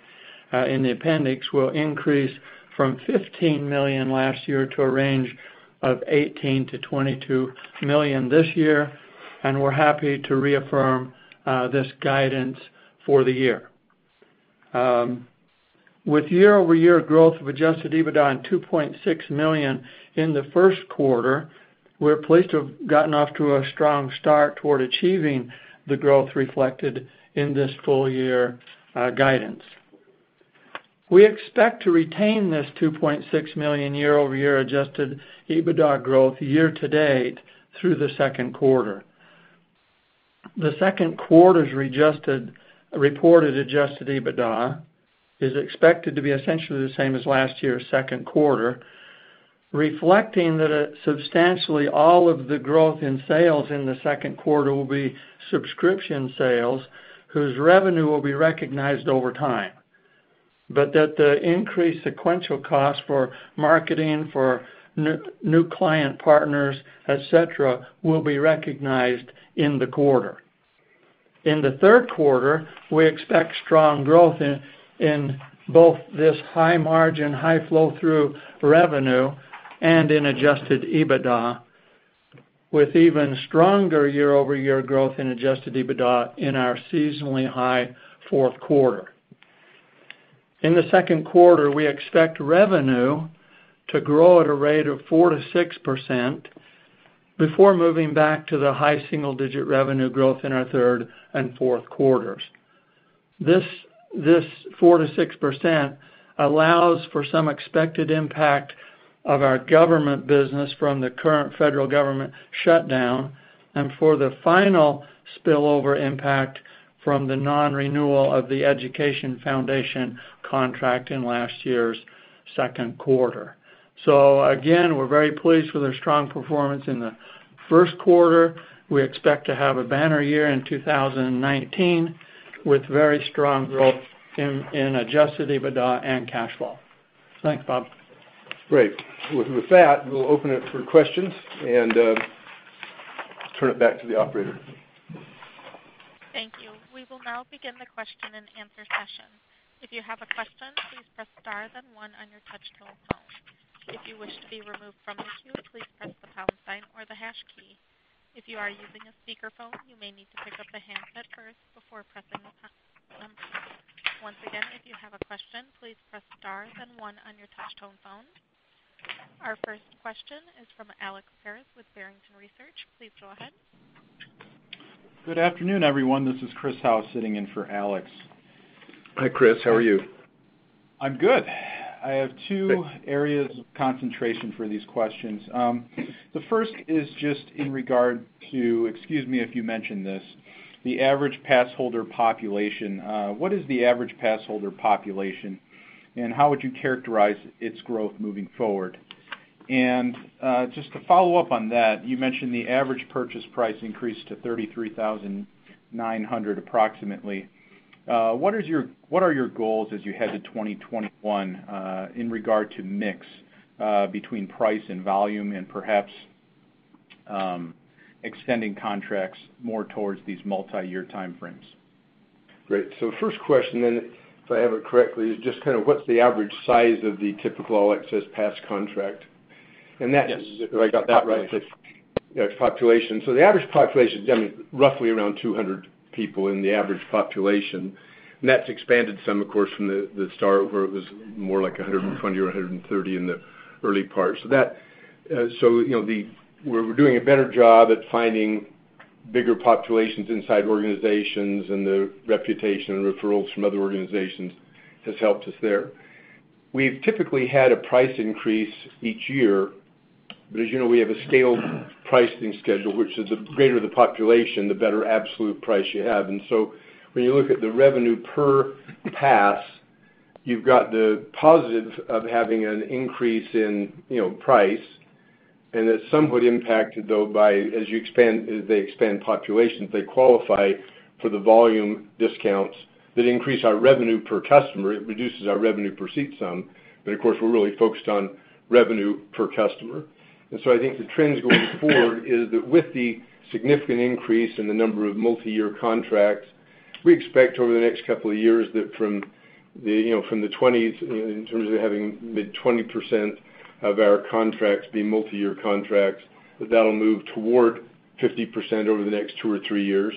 in the appendix, will increase from $15 million last year to a range of $18 million-$22 million this year. We're happy to reaffirm this guidance for the year. With year-over-year growth of adjusted EBITDA on $2.6 million in the first quarter, we're pleased to have gotten off to a strong start toward achieving the growth reflected in this full year guidance. We expect to retain this $2.6 million year-over-year adjusted EBITDA growth year to date through the second quarter. The second quarter's reported adjusted EBITDA is expected to be essentially the same as last year's second quarter, reflecting that substantially all of the growth in sales in the second quarter will be subscription sales, whose revenue will be recognized over time. That the increased sequential cost for marketing, for new client partners, et cetera, will be recognized in the quarter. In the third quarter, we expect strong growth in both this high margin, high flow-through revenue and in adjusted EBITDA, with even stronger year-over-year growth in adjusted EBITDA in our seasonally high fourth quarter. In the second quarter, we expect revenue to grow at a rate of 4%-6% before moving back to the high single-digit revenue growth in our third and fourth quarters. This 4%-6% allows for some expected impact of our government business from the current federal government shutdown and for the final spillover impact from the non-renewal of the Education Foundation contract in last year's second quarter. Again, we're very pleased with our strong performance in the first quarter. We expect to have a banner year in 2019 with very strong growth in adjusted EBITDA and cash flow. Thanks, Bob. Great. With that, we'll open it for questions and turn it back to the operator. Thank you. We will now begin the question-and-answer session. If you have a question, please press star, then one on your touch-tone phone. If you wish to be removed from the queue, please press the pound sign or the hash key. If you are using a speakerphone, you may need to pick up the handset first before pressing the pound number. Once again, if you have a question, please press star, then one on your touch-tone phone. Our first question is from Alex Paris with Barrington Research. Please go ahead. Good afternoon, everyone. This is Chris Howe sitting in for Alex. Hi, Chris. How are you? I'm good. I have two areas of concentration for these questions. The first is just in regard to, excuse me if you mentioned this, the average passholder population. What is the average passholder population, and how would you characterize its growth moving forward? Just to follow up on that, you mentioned the average purchase price increased to $33,900 approximately. What are your goals as you head to 2021 in regard to mix between price and volume and perhaps extending contracts more towards these multiyear time frames? First question then, if I have it correctly, is just what's the average size of the typical All Access Pass contract? Yes. If I got that right. The average population is roughly around 200 people in the average population. That's expanded some, of course, from the start where it was more like 120 or 130 in the early part. We're doing a better job at finding bigger populations inside organizations, the reputation and referrals from other organizations has helped us there. We've typically had a price increase each year. As you know, we have a scaled pricing schedule, which is the greater the population, the better absolute price you have. When you look at the revenue per pass, you've got the positive of having an increase in price, that's somewhat impacted, though, by as they expand populations, they qualify for the volume discounts that increase our revenue per customer. It reduces our revenue per seat some. Of course, we're really focused on revenue per customer. I think the trends going forward is that with the significant increase in the number of multi-year contracts, we expect over the next couple of years that from the 20s, in terms of having mid 20% of our contracts be multi-year contracts, that that'll move toward 50% over the next two or three years.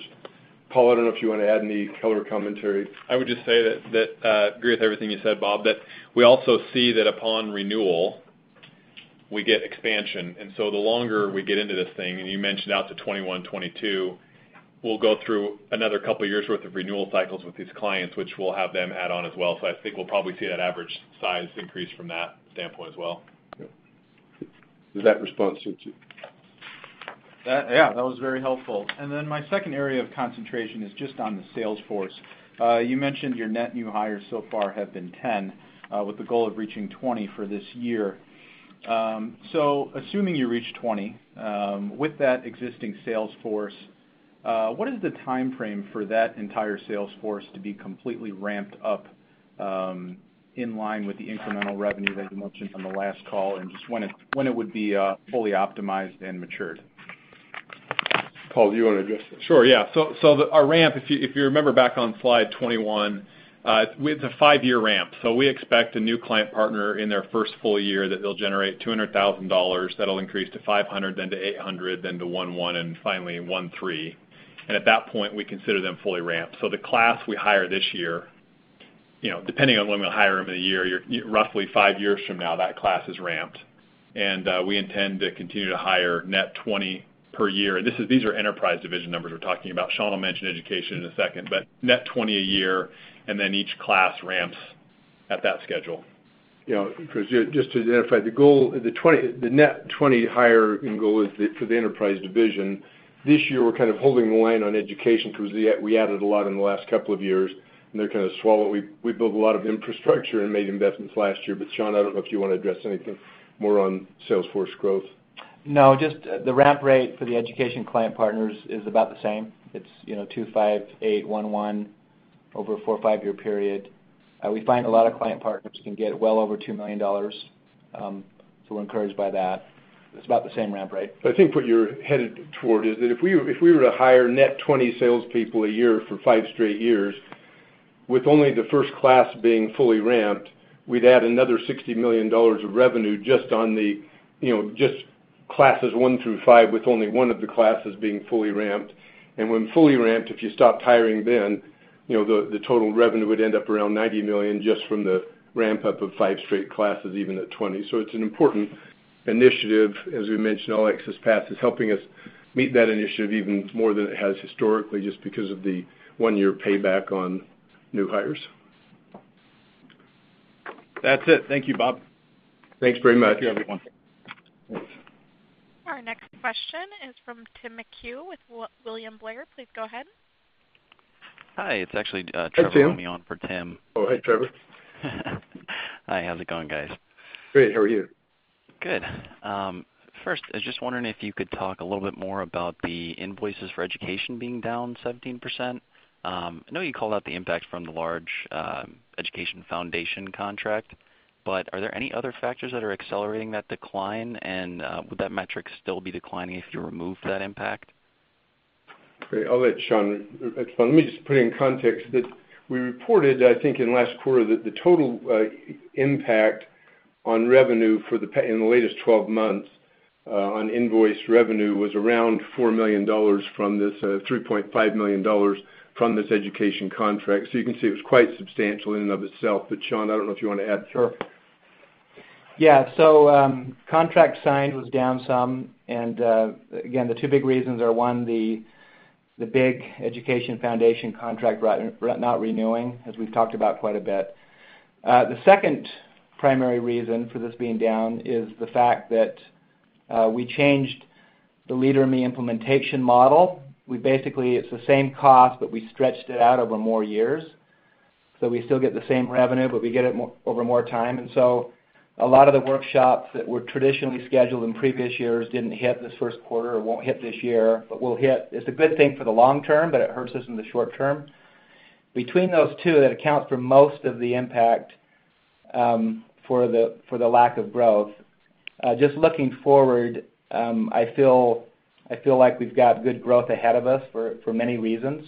Paul, I don't know if you want to add any color commentary. I would just say that I agree with everything you said, Bob, we also see that upon renewal, we get expansion. The longer we get into this thing, you mentioned out to 2021, 2022, we'll go through another couple of years' worth of renewal cycles with these clients, which we'll have them add on as well. I think we'll probably see that average size increase from that standpoint as well. Yeah. Does that respond to it too? Yeah, that was very helpful. Then my second area of concentration is just on the sales force. You mentioned your net new hires so far have been 10, with the goal of reaching 20 for this year. Assuming you reach 20, with that existing sales force, what is the timeframe for that entire sales force to be completely ramped up in line with the incremental revenue that you mentioned on the last call, and just when it would be fully optimized and matured? Paul, do you want to address this? Sure, yeah. Our ramp, if you remember back on slide 21, it's a five-year ramp. We expect a new client partner in their first full year that they'll generate $200,000. That'll increase to $500,000, then to $800,000, then to $1.1 million, and finally $1.3 million. At that point, we consider them fully ramped. The class we hire this year, depending on when we hire them in a year, roughly five years from now, that class is ramped. We intend to continue to hire net 20 per year. These are enterprise division numbers we're talking about. Sean will mention education in a second, but net 20 a year, then each class ramps at that schedule. Just to identify, the net 20 hiring goal is for the enterprise division. This year, we're kind of holding the line on Education because we added a lot in the last couple of years, and they're going to swallow it. We built a lot of infrastructure and made investments last year. Sean, I don't know if you want to address anything more on sales force growth. No, just the ramp rate for the Education client partners is about the same. It's 2.5, 8, 1.1 over a four or five-year period. We find a lot of client partners can get well over $2 million. We're encouraged by that. It's about the same ramp rate. I think what you're headed toward is that if we were to hire net 20 salespeople a year for five straight years, with only the first class being fully ramped, we'd add another $60 million of revenue just classes one through five, with only one of the classes being fully ramped. When fully ramped, if you stopped hiring then, the total revenue would end up around $90 million just from the ramp-up of five straight classes, even at 20. It's an important initiative. As we mentioned, LXS Path is helping us meet that initiative even more than it has historically just because of the one-year payback on new hires. That's it. Thank you, Bob. Thanks very much. Thank you, everyone. Thanks. Our next question is from Tim McHugh with William Blair. Please go ahead. Hi, it's actually Trevor Romeo for Tim. Hi, Trevor. Hi, how's it going, guys? Great. How are you? Good. I was just wondering if you could talk a little bit more about the invoices for education being down 17%. I know you called out the impact from the large education foundation contract, but are there any other factors that are accelerating that decline? Would that metric still be declining if you remove that impact? Great. I'll let Sean expand. Let me just put it in context that we reported, I think, in the last quarter that the total impact on revenue in the latest 12 months on invoice revenue was around $4 million from this $3.5 million from this education contract. You can see it was quite substantial in and of itself. Sean, I don't know if you want to add. Sure. Yeah. Contract signed was down some and, again, the two big reasons are, one, the big education foundation contract not renewing, as we've talked about quite a bit. The second primary reason for this being down is the fact that we changed the Leader in Me implementation model. Basically, it's the same cost, but we stretched it out over more years. We still get the same revenue, but we get it over more time. A lot of the workshops that were traditionally scheduled in previous years didn't hit this first quarter or won't hit this year, but will hit. It's a good thing for the long term, but it hurts us in the short term. Between those two, that accounts for most of the impact for the lack of growth. Just looking forward, I feel like we've got good growth ahead of us for many reasons.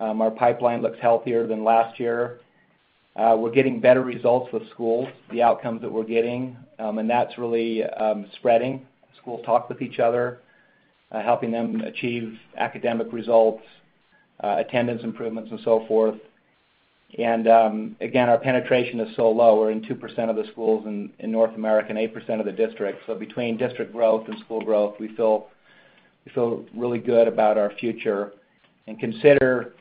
Our pipeline looks healthier than last year. We're getting better results with schools, the outcomes that we're getting, and that's really spreading. Schools talk with each other, helping them achieve academic results, attendance improvements, and so forth. Again, our penetration is so low. We're in 2% of the schools in North America and 8% of the districts. Between district growth and school growth, we feel really good about our future. Consider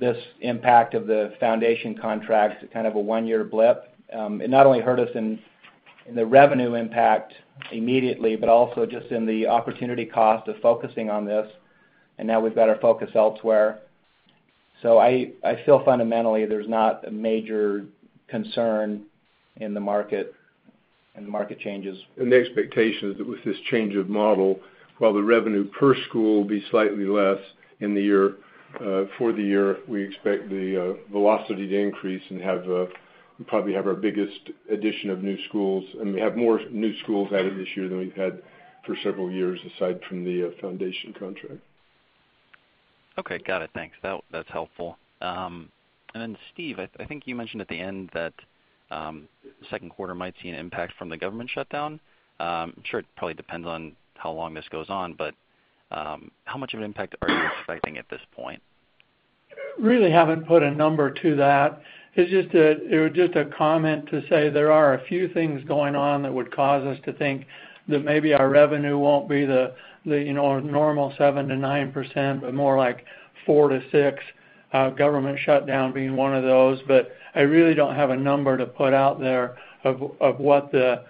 this impact of the foundation contract as kind of a one-year blip. It not only hurt us in the revenue impact immediately, but also just in the opportunity cost of focusing on this. Now we've got our focus elsewhere. I feel fundamentally there's not a major concern in the market and the market changes. The expectation is that with this change of model, while the revenue per school will be slightly less for the year, we expect the velocity to increase and probably have our biggest addition of new schools. We have more new schools added this year than we've had for several years, aside from the foundation contract. Okay, got it. Thanks. That's helpful. Steve, I think you mentioned at the end that second quarter might see an impact from the government shutdown. I'm sure it probably depends on how long this goes on, but how much of an impact are you expecting at this point? Really haven't put a number to that. It was just a comment to say there are a few things going on that would cause us to think that maybe our revenue won't be the normal 7%-9%, but more like 4%-6%, government shutdown being one of those. I really don't have a number to put out there of what the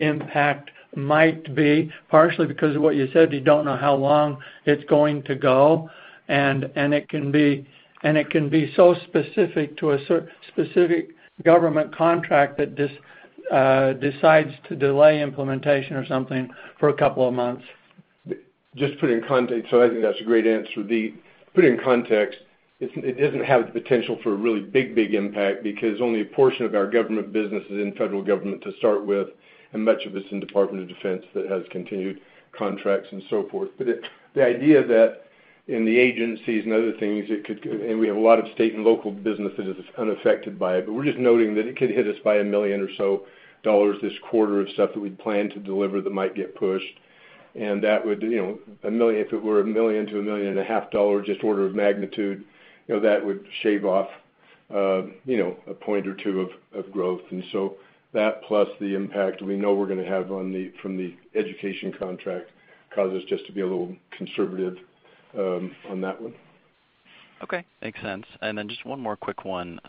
impact might be, partially because of what you said, you don't know how long it's going to go. It can be so specific to a specific government contract that decides to delay implementation or something for a couple of months. I think that's a great answer. To put it in context, it doesn't have the potential for a really big impact because only a portion of our government business is in the federal government to start with, and much of it's in Department of Defense that has continued contracts and so forth. The idea that in the agencies and other things, and we have a lot of state and local businesses unaffected by it, but we're just noting that it could hit us by $1 million or so this quarter of stuff that we'd planned to deliver that might get pushed. If it were $1 million-$1.5 million, just order of magnitude, that would shave off a point or two of growth. That plus the impact we know we're going to have from the education contract causes us just to be a little conservative on that one. Okay. Makes sense. Just one more quick one.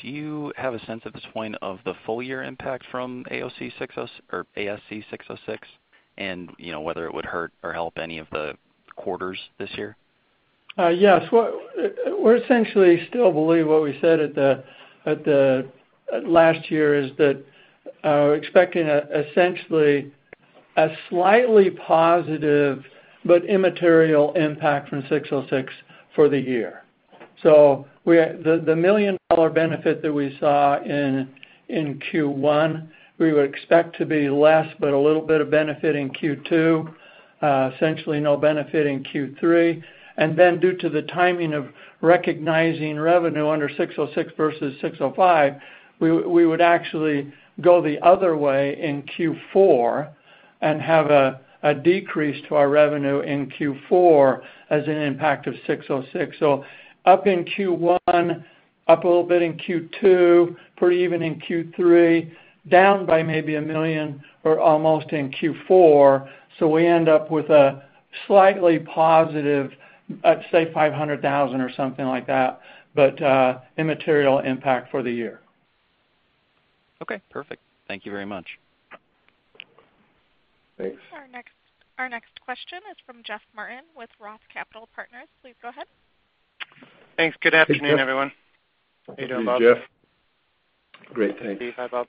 Do you have a sense at this point of the full-year impact from ASC 606 and whether it would hurt or help any of the quarters this year? Yes. We essentially still believe what we said last year, is that we're expecting essentially a slightly positive but immaterial impact from 606 for the year. The $1 million benefit that we saw in Q1, we would expect to be less, but a little bit of benefit in Q2. Essentially no benefit in Q3. Due to the timing of recognizing revenue under 606 versus 605, we would actually go the other way in Q4 and have a decrease to our revenue in Q4 as an impact of 606. Up in Q1, up a little bit in Q2, pretty even in Q3, down by maybe $1 million or almost in Q4. We end up with a slightly positive, I'd say $500,000 or something like that, but immaterial impact for the year. Okay, perfect. Thank you very much. Thanks. Our next question is from Jeff Martin with Roth Capital Partners. Please go ahead. Thanks. Good afternoon, everyone. Hey, Jeff. How you doing, Bob? Great, thanks. Hi, Bob.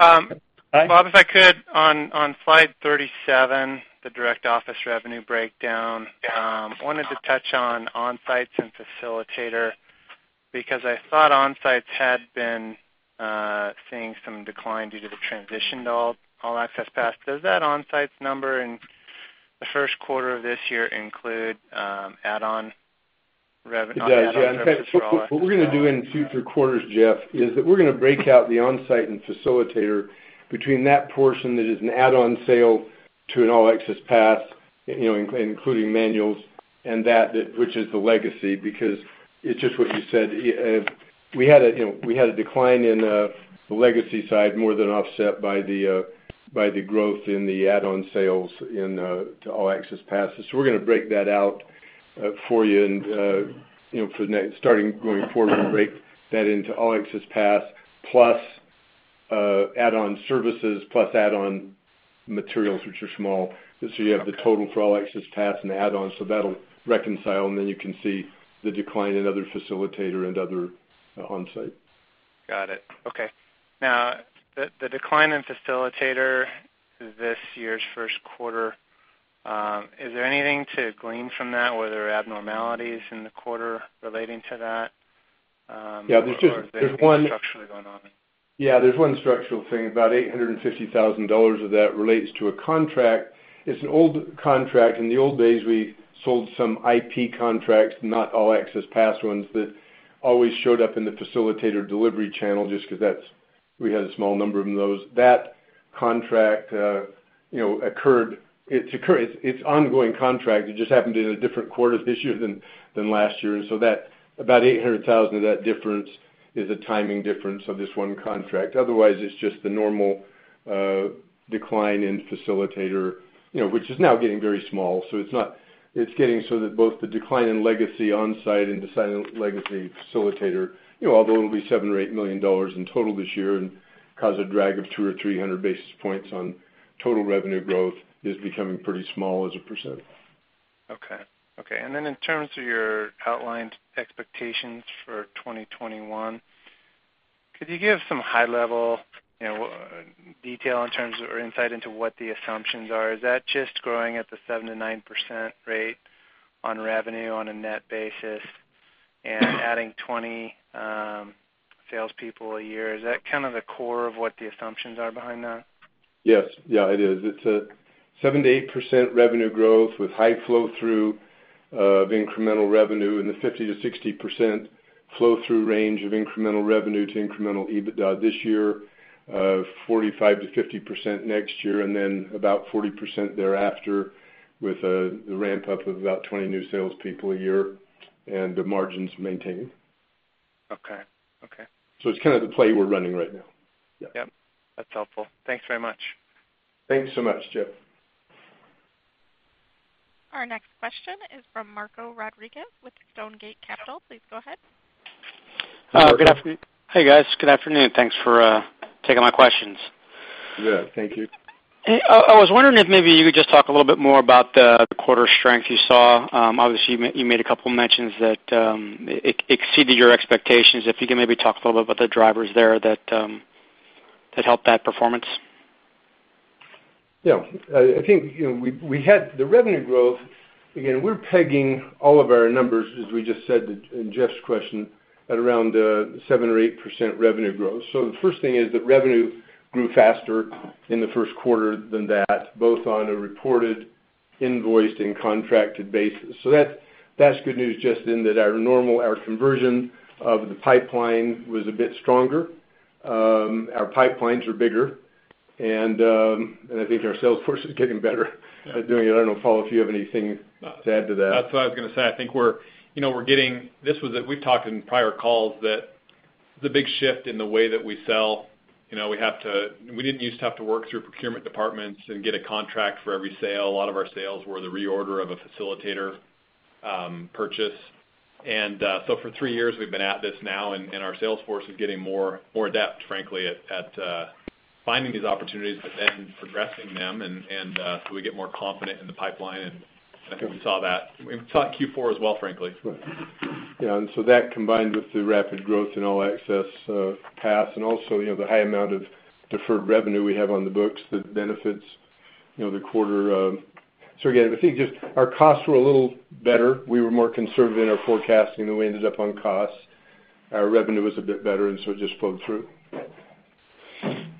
Hi. Bob, if I could, on slide 37, the direct office revenue breakdown, wanted to touch on onsite and facilitator, because I thought onsites had been seeing some decline due to the transition to All Access Pass. Does that onsites number in the first quarter of this year include add-on services for All Access Pass? It does, yeah. In fact, what we're going to do in future quarters, Jeff, is that we're going to break out the onsite and facilitator between that portion that is an add-on sale to an All Access Pass, including manuals, and that which is the legacy. It's just what you said. We had a decline in the legacy side more than offset by the growth in the add-on sales to All Access Passes. We're going to break that out for you, starting going forward, we'll break that into All Access Pass plus add-on services, plus add-on materials, which are small. You have the total for All Access Pass and add-ons, so that'll reconcile, and then you can see the decline in other facilitator and other onsite. Got it. Okay. The decline in facilitator this year's first quarter, is there anything to glean from that? Were there abnormalities in the quarter relating to that? Yeah, there's one- Is anything structurally going on? Yeah, there's one structural thing. About $850,000 of that relates to a contract. It's an old contract. In the old days, we sold some IP contracts, not All Access Pass ones, that always showed up in the facilitator delivery channel just because we had a small number of those. That contract, it's an ongoing contract. It just happened in a different quarter this year than last year. About $800,000 of that difference is a timing difference of this one contract. Otherwise, it's just the normal decline in facilitator, which is now getting very small. It's getting so that both the decline in legacy onsite and legacy facilitator, although it'll be $7 or $8 million in total this year and cause a drag of 200 or 300 basis points on total revenue growth, is becoming pretty small as a percent. Okay. Then in terms of your outlined expectations for 2021, could you give some high-level detail or insight into what the assumptions are? Is that just growing at the 7%-9% rate on revenue on a net basis and adding 20 salespeople a year? Is that kind of the core of what the assumptions are behind that? Yes. It is. It's a 7%-8% revenue growth with high flow-through of incremental revenue in the 50%-60% flow-through range of incremental revenue to incremental EBITDA this year, 45%-50% next year, then about 40% thereafter with a ramp-up of about 20 new salespeople a year and the margins maintained. Okay. It's kind of the play we're running right now. Yeah. Yep, that's helpful. Thanks very much. Thanks so much, Jeff. Our next question is from Marco Rodriguez with Stonegate Capital. Please go ahead. Hi, guys. Good afternoon. Thanks for taking my questions. Yeah, thank you. I was wondering if maybe you could just talk a little bit more about the quarter strength you saw. Obviously, you made a couple mentions that it exceeded your expectations. If you could maybe talk a little bit about the drivers there that helped that performance. Yeah. The revenue growth, again, we're pegging all of our numbers, as we just said in Jeff's question, at around 7% or 8% revenue growth. The first thing is that revenue grew faster in the first quarter than that, both on a reported, invoiced, and contracted basis. That's good news just in that our conversion of the pipeline was a bit stronger. Our pipelines are bigger, and I think our sales force is getting better at doing it. I don't know, Paul, if you have anything to add to that. That's what I was going to say. We've talked in prior calls that the big shift in the way that we sell, we didn't used to have to work through procurement departments and get a contract for every sale. A lot of our sales were the reorder of a facilitator purchase. For three years we've been at this now, and our sales force is getting more adept, frankly, at finding these opportunities, but then progressing them, and so we get more confident in the pipeline. I think we saw that in Q4 as well, frankly. Right. Yeah, that combined with the rapid growth in All Access Pass and also the high amount of deferred revenue we have on the books that benefits the quarter. Again, I think just our costs were a little better. We were more conservative in our forecasting than we ended up on costs. Our revenue was a bit better, and so it just flowed through.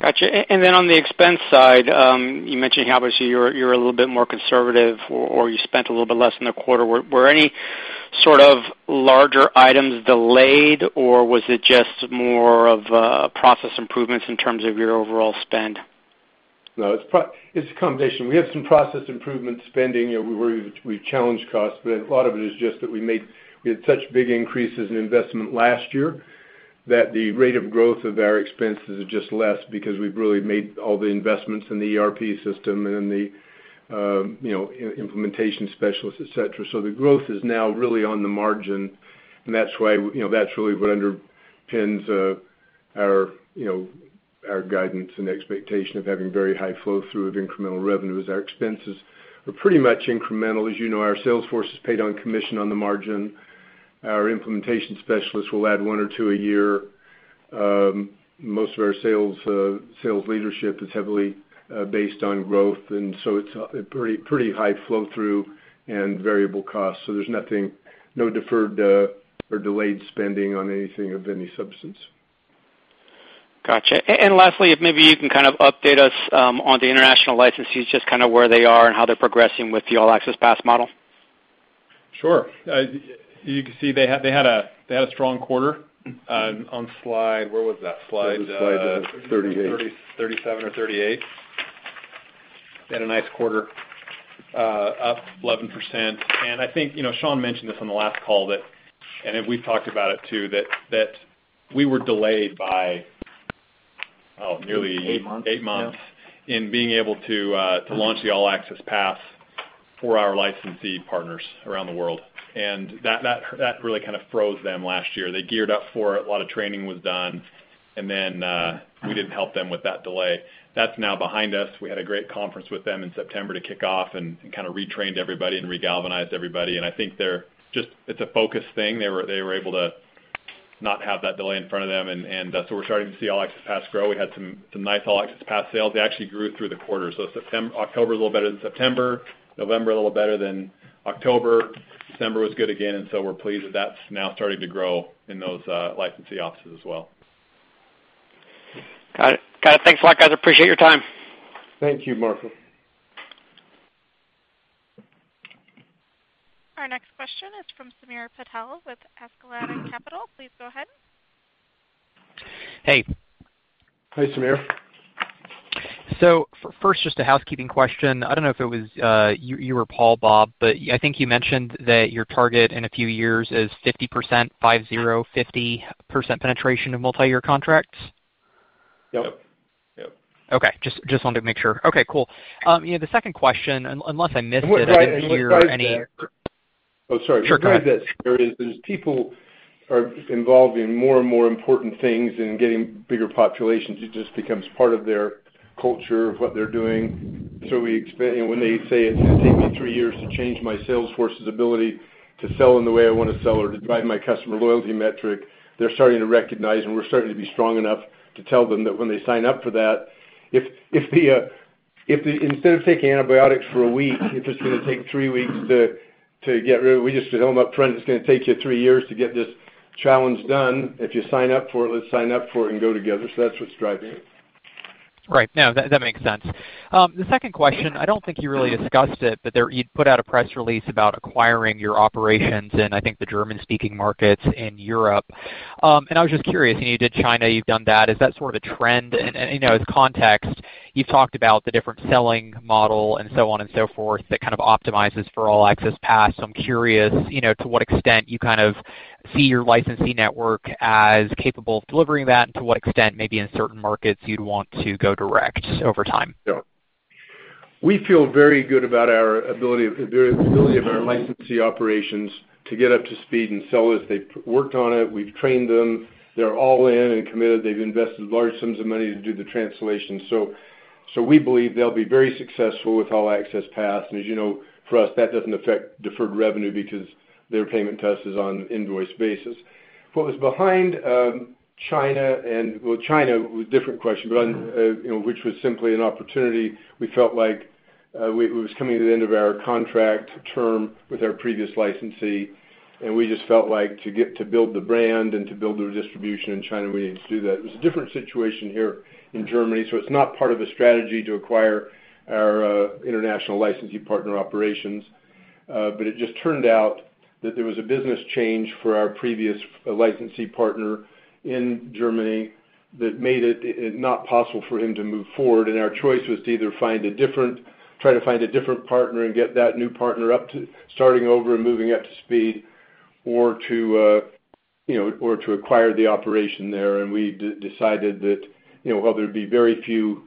Got you. Then on the expense side, you mentioned how obviously you're a little bit more conservative or you spent a little bit less in the quarter. Were any sort of larger items delayed, or was it just more of process improvements in terms of your overall spend? No, it's a combination. We have some process improvement spending where we've challenged costs, a lot of it is just that we had such big increases in investment last year that the rate of growth of our expenses is just less because we've really made all the investments in the ERP system and in the implementation specialists, et cetera. The growth is now really on the margin, that's really what underpins our guidance and expectation of having very high flow-through of incremental revenues. Our expenses were pretty much incremental. You know, our sales force is paid on commission on the margin. Our implementation specialists will add one or two a year. Most of our sales leadership is heavily based on growth, it's a pretty high flow-through and variable cost. There's no deferred or delayed spending on anything of any substance. Got you. Lastly, if maybe you can kind of update us on the international licensees, just kind of where they are and how they're progressing with the All Access Pass model. Sure. You can see they had a strong quarter. Where was that slide? It was slide 38. 37 or 38. They had a nice quarter, up 11%. I think Sean mentioned this on the last call, and we've talked about it too, that we were delayed by. Eight months eight months in being able to launch the All Access Pass for our licensee partners around the world. That really kind of froze them last year. They geared up for it. A lot of training was done. We didn't help them with that delay. That's now behind us. We had a great conference with them in September to kick off and kind of retrained everybody and re-galvanized everybody. I think it's a focus thing. They were able to not have that delay in front of them. We're starting to see All Access Pass grow. We had some nice All Access Pass sales. They actually grew through the quarter. October a little better than September, November a little better than October. December was good again. We're pleased that that's now starting to grow in those licensee offices as well. Got it. Thanks a lot, guys. I appreciate your time. Thank you, Marco. Our next question is from Samir Patel withAskeladden Capital. Please go ahead. Hey. Hey, Samir. first, just a housekeeping question. I don't know if it was you or Paul, Bob, but I think you mentioned that your target in a few years is 50%, five, zero, 50% penetration of multi-year contracts. Yep. Yep. Okay. Just wanted to make sure. Okay, cool. The second question, unless I missed it and hear any- Oh, sorry. Sure. Go ahead. Behind that share is those people are involved in more and more important things and getting bigger populations. It just becomes part of their culture of what they're doing. When they say, "It's going to take me three years to change my sales force's ability to sell in the way I want to sell or to drive my customer loyalty metric," they're starting to recognize, and we're starting to be strong enough to tell them that when they sign up for that, if instead of taking antibiotics for a week, if it's going to take three weeks to get rid of it, we just tell them up front, "It's going to take you three years to get this challenge done. If you sign up for it, let's sign up for it and go together." That's what's driving it. Right. No, that makes sense. The second question, I don't think you really discussed it, but you put out a press release about acquiring your operations in, I think, the German-speaking markets in Europe. I was just curious, you did China, you've done that. Is that sort of a trend? As context, you've talked about the different selling model and so on and so forth that kind of optimizes for All Access Pass. I'm curious to what extent you kind of see your licensing network as capable of delivering that and to what extent maybe in certain markets you'd want to go direct over time. We feel very good about our ability of our licensee operations to get up to speed and sell as they've worked on it. We've trained them. They're all in and committed. They've invested large sums of money to do the translation. We believe they'll be very successful with All Access Pass. As you know, for us, that doesn't affect deferred revenue because their payment to us is on an invoice basis. China was a different question, which was simply an opportunity. We felt like we were coming to the end of our contract term with our previous licensee, we just felt like to build the brand and to build the distribution in China, we needed to do that. It was a different situation here in Germany, it's not part of a strategy to acquire our international licensee partner operations. It just turned out that there was a business change for our previous licensee partner in Germany that made it not possible for him to move forward, our choice was to either try to find a different partner and get that new partner up to starting over and moving up to speed or to acquire the operation there. We decided that while there'd be very few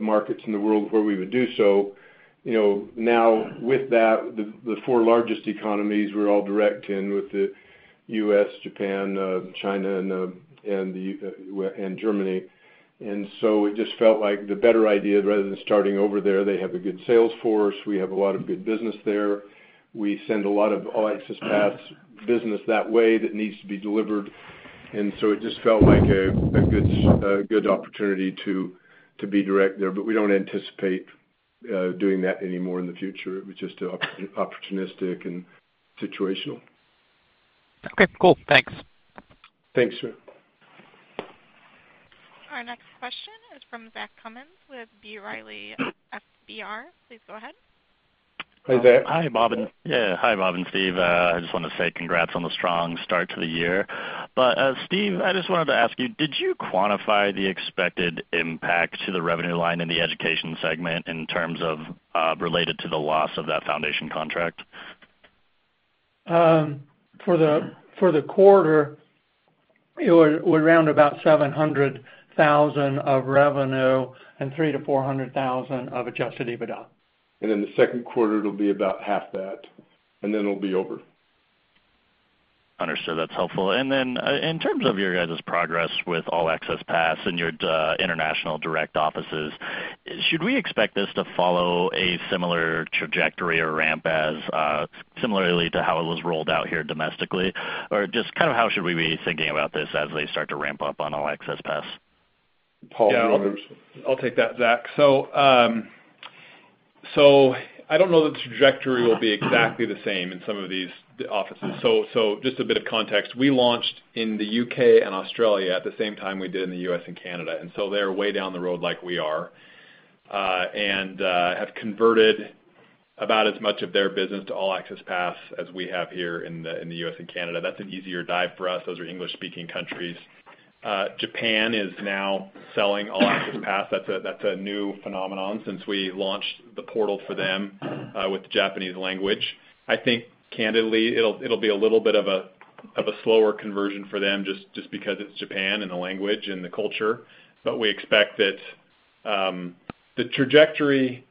markets in the world where we would do so, now with that, the 4 largest economies we're all direct in with the U.S., Japan, China, and Germany. It just felt like the better idea, rather than starting over there, they have a good sales force. We have a lot of good business there. We send a lot of All Access Pass business that way that needs to be delivered. It just felt like a good opportunity to be direct there. We don't anticipate doing that anymore in the future. It was just opportunistic and situational. Okay, cool. Thanks. Thanks, Samir. Our next question is from Zach Cummins with B. Riley FBR. Please go ahead. Hi, Zach. Hi, Bob, and Steve. I just want to say congrats on the strong start to the year. Steve, I just wanted to ask you, did you quantify the expected impact to the revenue line in the Education Segment in terms of related to the loss of that foundation contract? For the quarter, it would round about $700,000 of revenue and $300,000-$400,000 of adjusted EBITDA. In the second quarter, it'll be about half that, then it'll be over. Understood. That's helpful. In terms of your guys' progress with All Access Pass and your international direct offices, should we expect this to follow a similar trajectory or ramp as similarly to how it was rolled out here domestically? Or just kind of how should we be thinking about this as they start to ramp up on All Access Pass? Paul, you want to- I'll take that, Zach. I don't know the trajectory will be exactly the same in some of these offices. Just a bit of context. We launched in the U.K. and Australia at the same time we did in the U.S. and Canada, they're way down the road like we are, and have converted about as much of their business to All Access Pass as we have here in the U.S. and Canada. That's an easier dive for us. Those are English-speaking countries. Japan is now selling All Access Pass. That's a new phenomenon since we launched the portal for them with Japanese language. I think candidly, it'll be a little bit of a slower conversion for them just because it's Japan and the language and the culture. We expect that the trajectory,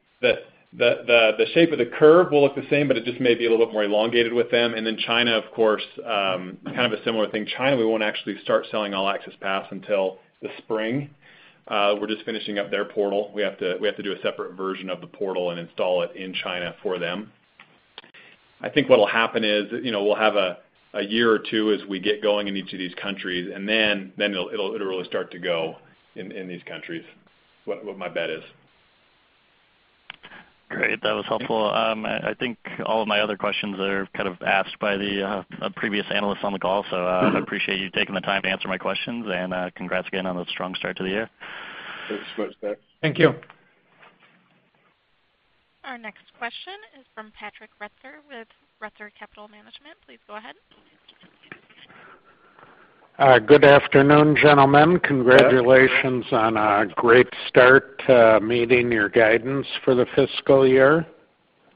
the shape of the curve will look the same, but it just may be a little bit more elongated with them. China, of course, kind of a similar thing. China, we won't actually start selling All Access Pass until the spring. We're just finishing up their portal. We have to do a separate version of the portal and install it in China for them. I think what will happen is we'll have a year or two as we get going in each of these countries, and then it'll really start to go in these countries. What my bet is. Great. That was helpful. I think all of my other questions are kind of asked by the previous analysts on the call. I appreciate you taking the time to answer my questions and congrats again on the strong start to the year. Thanks very much, Zach. Thank you. Our next question is from Patrick Retzer with Retzer Capital Management. Please go ahead. Good afternoon, gentlemen. Congratulations on a great start to meeting your guidance for the fiscal year.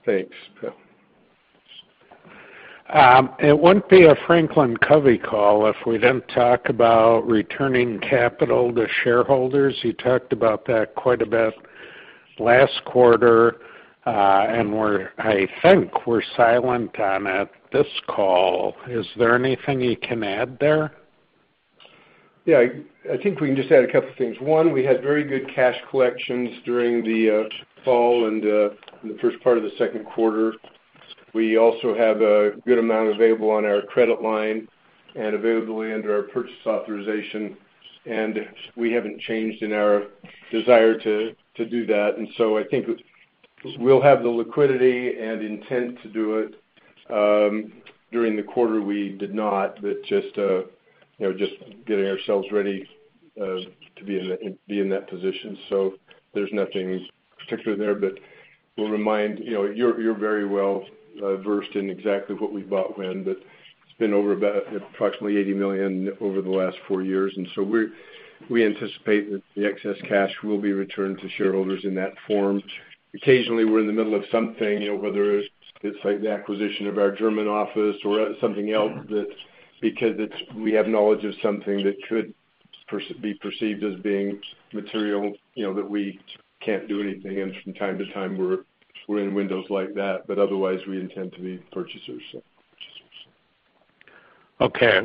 Thanks, Pat. It wouldn't be a Franklin Covey call if we didn't talk about returning capital to shareholders. You talked about that quite a bit last quarter, I think were silent on it this call. Is there anything you can add there? Yeah, I think we can just add a couple of things. One, we had very good cash collections during the fall and the first part of the second quarter. We also have a good amount available on our credit line and available under our purchase authorization, we haven't changed in our desire to do that. I think we'll have the liquidity and intent to do it. During the quarter, we did not, but just getting ourselves ready to be in that position. There's nothing particular there, but we'll remind, you're very well-versed in exactly what we bought when, but it's been over about approximately $80 million over the last four years. We anticipate that the excess cash will be returned to shareholders in that form. Occasionally, we're in the middle of something, whether it's like the acquisition of our German office or something else that because we have knowledge of something that could be perceived as being material, that we can't do anything, and from time to time, we're in windows like that. Otherwise, we intend to be purchasers. Okay.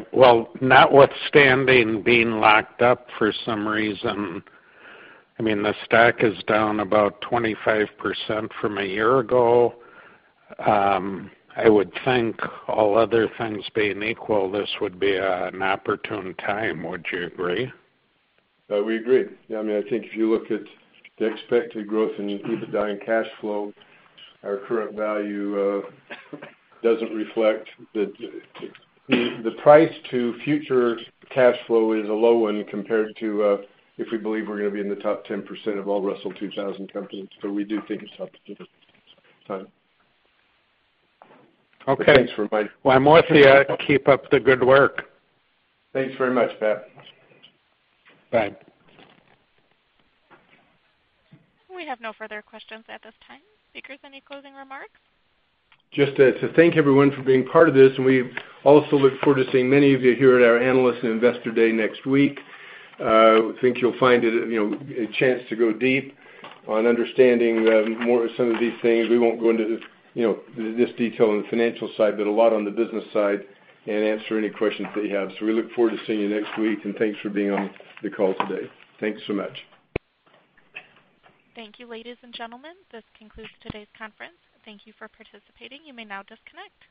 Notwithstanding being locked up for some reason, I mean, the stock is down about 25% from a year ago. I would think all other things being equal, this would be an opportune time. Would you agree? We agree. I think if you look at the expected growth in EBITDA and cash flow, our current value doesn't reflect the price to future cash flow is a low one compared to if we believe we're going to be in the top 10% of all Russell 2000 companies. We do think it's opportunistic. Okay. Thanks for reminding me. Well, I'm with you. Keep up the good work. Thanks very much, Pat. Bye. We have no further questions at this time. Speakers, any closing remarks? Just to thank everyone for being part of this, and we also look forward to seeing many of you here at our Analyst and Investor Day next week. I think you'll find it a chance to go deep on understanding more of some of these things. We won't go into this detail on the financial side, but a lot on the business side and answer any questions that you have. We look forward to seeing you next week, and thanks for being on the call today. Thanks so much. Thank you, ladies and gentlemen. This concludes today's conference. Thank you for participating. You may now disconnect.